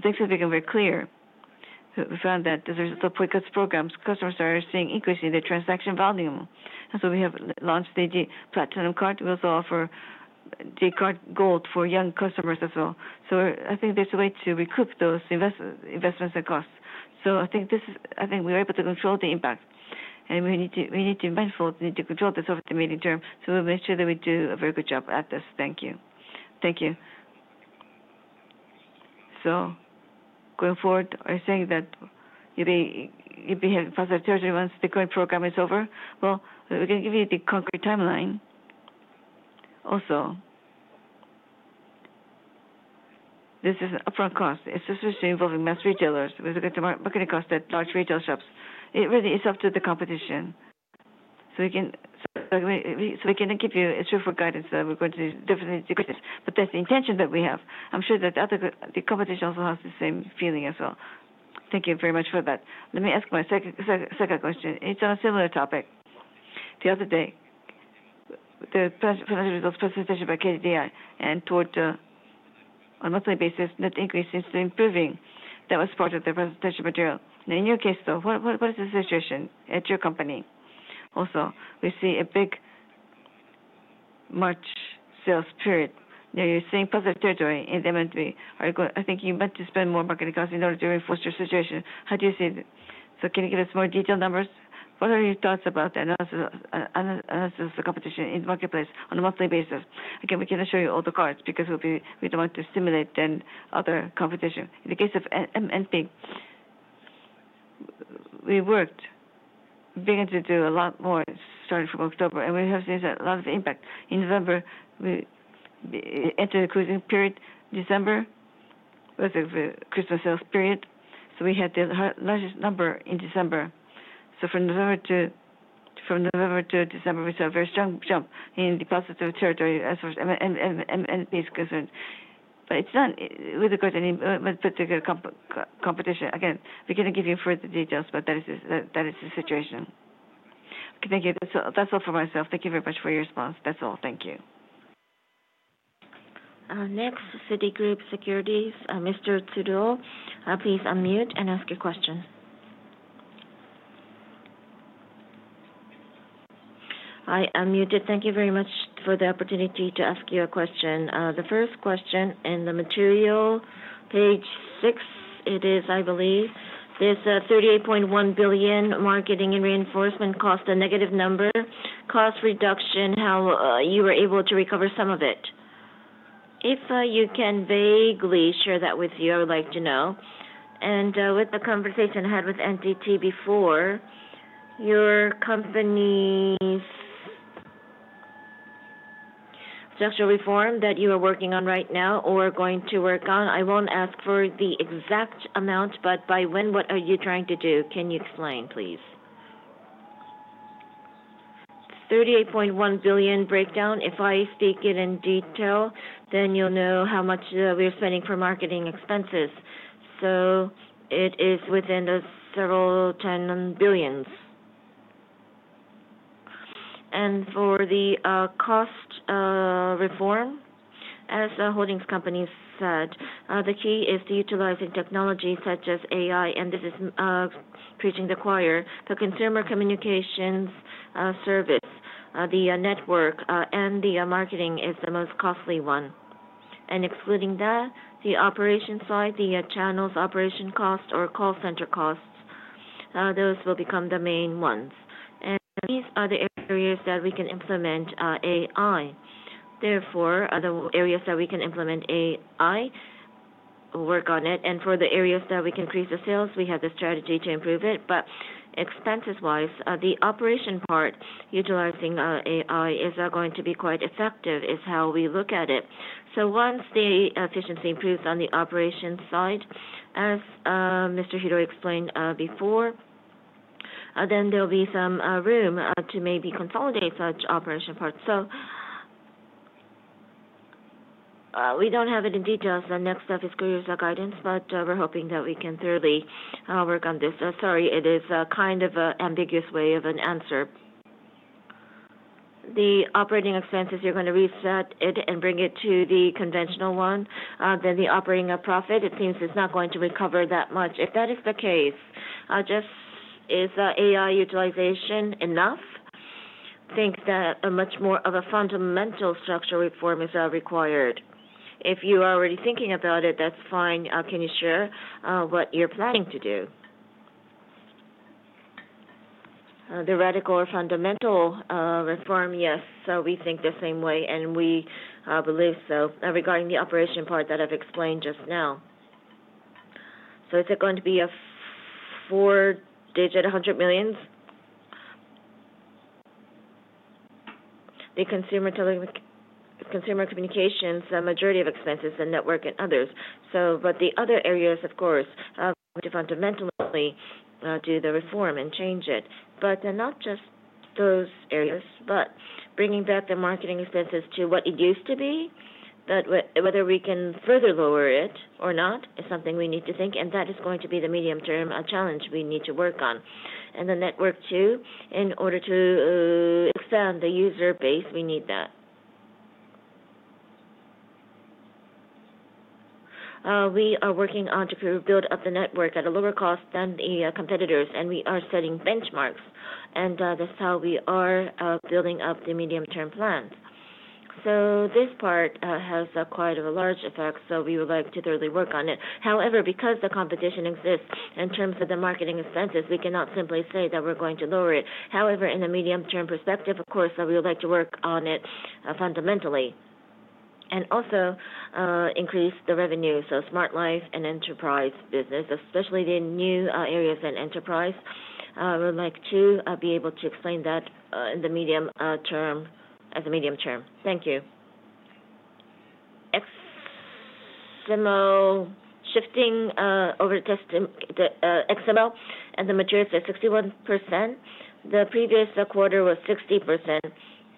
Things have become very clear. We found that as a result of Poikatsu programs, customers are seeing increase in their transaction volume. We have launched the PLATINUM Card. We also offer d Card GOLD for young customers as well. I think there's a way to recoup those investments and costs. I think we are able to control the impact. We need to be mindful to control this over the medium term. We'll make sure that we do a very good job at this. Thank you. Thank you. Going forward, are you saying that you'll be having positive territory once the current program is over? We can give you the concrete timeline. Also, this is upfront cost. It's especially involving mass retailers with regard to marketing costs at large retail shops. It really is up to the competition. So we can't give you a truthful guidance that we're going to definitely decrease it. But that's the intention that we have. I'm sure that the competition also has the same feeling as well. Thank you very much for that. Let me ask my second question. It's on a similar topic. The other day, the financial results presentation by KDDI, on a monthly basis, net increase seems to be improving. That was part of the presentation material. In your case, though, what is the situation at your company? Also, we see a big March sales. Now, you're seeing positive territory in the MNP. I think you might spend more marketing costs in order to reinforce your situation. How do you see it? So can you give us more detailed numbers? What are your thoughts about the analysis of the competition in the marketplace on a monthly basis? Again, we cannot show you all the cards because we don't want to stimulate the other competition. In the case of MNP, we worked to do a lot more starting from October. And we have seen a lot of impact. In November, we entered a cruising period. December was a Christmas sales. So we had the largest number in December. So from November to December, we saw a very strong jump in the positive territory as far as MNP is concerned. But it's not with regard to any particular competition. Again, we can't give you further details, but that is the situation. Thank you. That's all for myself. Thank you very much for your response. That's all. Thank you. Next, Citigroup Global Markets Japan, Mr. Tsuruo, please unmute and ask your question. I unmuted. Thank you very much for the opportunity to ask you a question. The first question in the material page 6, it is, I believe, this 38.1 billion marketing and reinforcement cost, a negative number, cost reduction, how you were able to recover some of it. If you can vaguely share that with you, I would like to know. And with the conversation I had with NTT before, your company's structural reform that you are working on right now or going to work on, I won't ask for the exact amount, but by when, what are you trying to do? Can you explain, please? 38.1 billion breakdown, if I speak it in detail, then you'll know how much we are spending for marketing expenses. So it is within the several 10 billions. For the cost reform, as the holding company said, the key is utilizing technology such as AI, and this is preaching to the choir. The consumer communications service, the network, and the marketing are the most costly ones. Excluding that, the operation side, the channels operation cost or call center costs, those will become the main ones. These are the areas that we can implement AI. Therefore, the areas that we can implement AI, work on it. For the areas that we can increase the sales, we have the strategy to improve it. Expenses-wise, the operation part utilizing AI is going to be quite effective is how we look at it. Once the efficiency improves on the operation side, as Mr. Hiroi explained before, then there will be some room to maybe consolidate such operation parts. We don't have it in detail. So next step is career guidance, but we're hoping that we can thoroughly work on this. Sorry, it is kind of an ambiguous way of an answer. The operating expenses, you're going to reset it and bring it to the conventional one. Then the operating profit, it seems it's not going to recover that much. If that is the case, just is AI utilization enough? I think that much more of a fundamental structural reform is required. If you are already thinking about it, that's fine. Can you share what you're planning to do? The radical or fundamental reform, yes. So we think the same way, and we believe so regarding the operation part that I've explained just now, so is it going to be a four-digit 100 millions? The consumer communications, the majority of expenses, the network, and others. But the other areas, of course, fundamentally do the reform and change it. But not just those areas, but bringing back the marketing expenses to what it used to be, that whether we can further lower it or not is something we need to think. And that is going to be the medium-term challenge we need to work on. And the network too, in order to expand the user base, we need that. We are working on to build up the network at a lower cost than the competitors, and we are setting benchmarks. And that's how we are building up the medium-term plan. So this part has quite a large effect, so we would like to thoroughly work on it. However, because the competition exists in terms of the marketing expenses, we cannot simply say that we're going to lower it. However, in a medium-term perspective, of course, we would like to work on it fundamentally and also increase the revenue, so Smart Life and enterprise business, especially the new areas in enterprise. We would like to be able to explain that in the medium term as a medium term. Thank you. Shifting over to eximo and the materials are 61%. The previous quarter was 60%,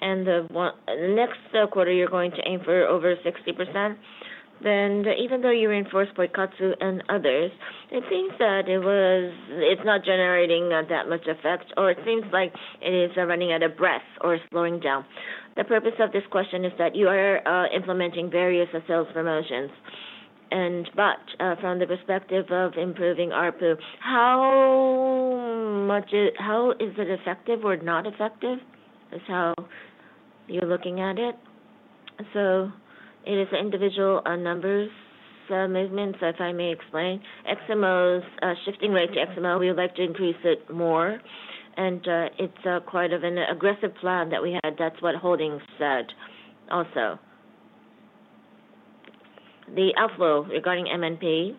and the next quarter, you're going to aim for over 60%. Then even though you reinforce Poikatsu and others, it seems that it's not generating that much effect, or it seems like it is running out of breath or slowing down. The purpose of this question is that you are implementing various sales promotions, and from the perspective of improving RPU, how is it effective or not effective? That's how you're looking at it, So it is individual numbers, movements, if I may explain. eximo's shifting rate to eximo, we would like to increase it more. And it's quite an aggressive plan that we had. That's what holdings said also. The outflow regarding MNP,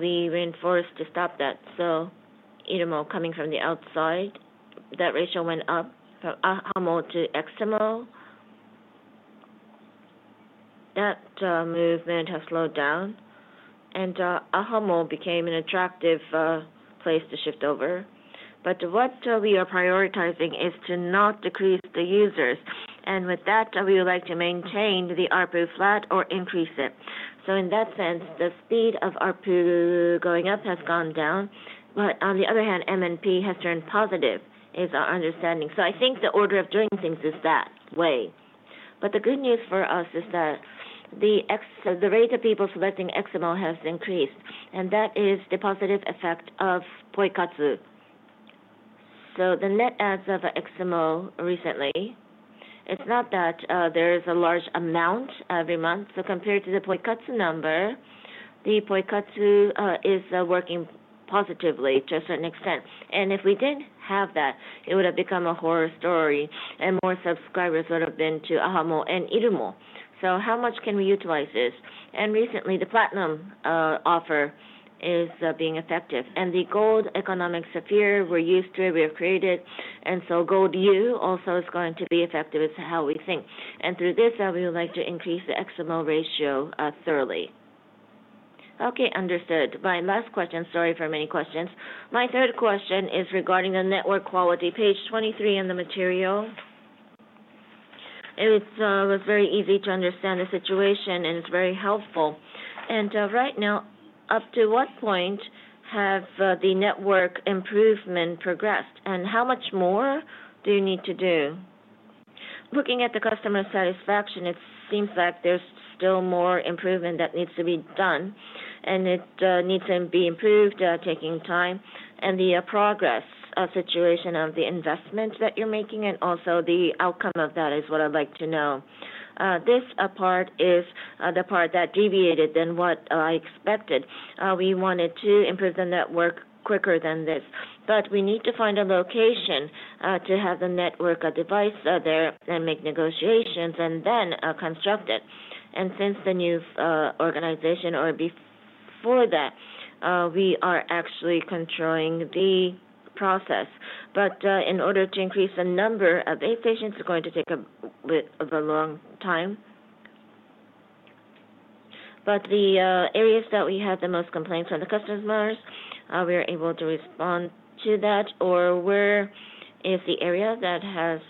we reinforced to stop that. So irumo coming from the outside, that ratio went up from ahamo to eximo. That movement has slowed down. And ahamo became an attractive place to shift over. But what we are prioritizing is to not decrease the users. And with that, we would like to maintain the RPU flat or increase it. So in that sense, the speed of ARPU going up has gone down. But on the other hand, MNP has turned positive is our understanding. So I think the order of doing things is that way. But the good news for us is that the rate of people selecting eximo has increased. And that is the positive effect of Poikatsu. So the net adds of eximo recently, it's not that there is a large amount every month. So compared to the Poikatsu number, the Poikatsu is working positively to a certain extent. And if we didn't have that, it would have become a horror story. And more subscribers would have been to ahamo and irumo. So how much can we utilize this? And recently, the platinum offer is being effective. And the gold economic sphere we're used to, we have created. And so Gold users also is going to be effective is how we think. And through this, we would like to increase the eximo ratio thoroughly. Okay, understood. My last question, sorry for many questions. My third question is regarding the network quality. Page 23 in the material. It was very easy to understand the situation, and it's very helpful. Right now, up to what point have the network improvements progressed? And how much more do you need to do? Looking at the customer satisfaction, it seems like there's still more improvement that needs to be done. And it needs to be improved, taking time. And the progress situation of the investment that you're making and also the outcome of that is what I'd like to know. This part is the part that deviated from what I expected. We wanted to improve the network quicker than this. But we need to find a location to have the network device there and make negotiations and then construct it. And since the new organization or before that, we are actually controlling the process. But in order to increase the number of APs, it's going to take a bit of a long time. But the areas that we have the most complaints from the customers, we are able to respond to that. Or where is the area that has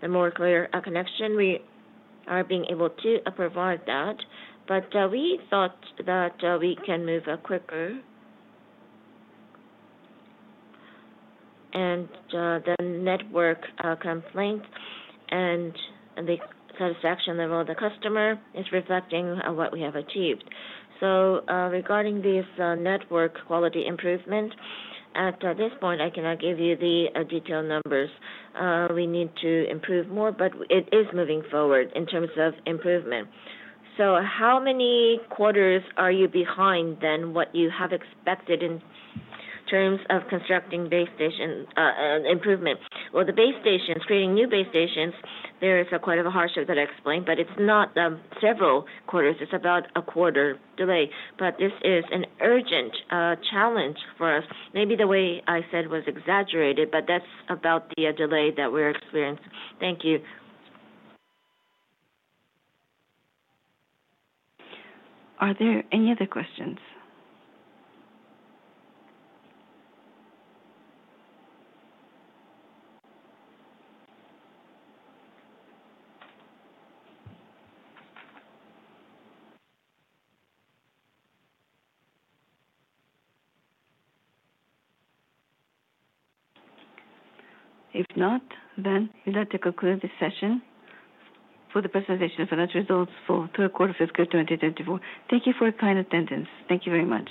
the more clear connection, we are being able to provide that. But we thought that we can move quicker. And the network complaints and the satisfaction level of the customer is reflecting what we have achieved. So regarding this network quality improvement, at this point, I cannot give you the detailed numbers. We need to improve more, but it is moving forward in terms of improvement. So how many quarters are you behind than what you have expected in terms of constructing base station improvement? Well, the base stations, creating new base stations, there is quite a hardship that I explained, but it's not several quarters. It's about a quarter delay. But this is an urgent challenge for us. Maybe the way I said was exaggerated, but that's about the delay that we're experiencing. Thank you. Are there any other questions? If not, then we'd like to conclude the session for the presentation for that results for the quarter of fiscal year 2024. Thank you for your kind attendance. Thank you very much.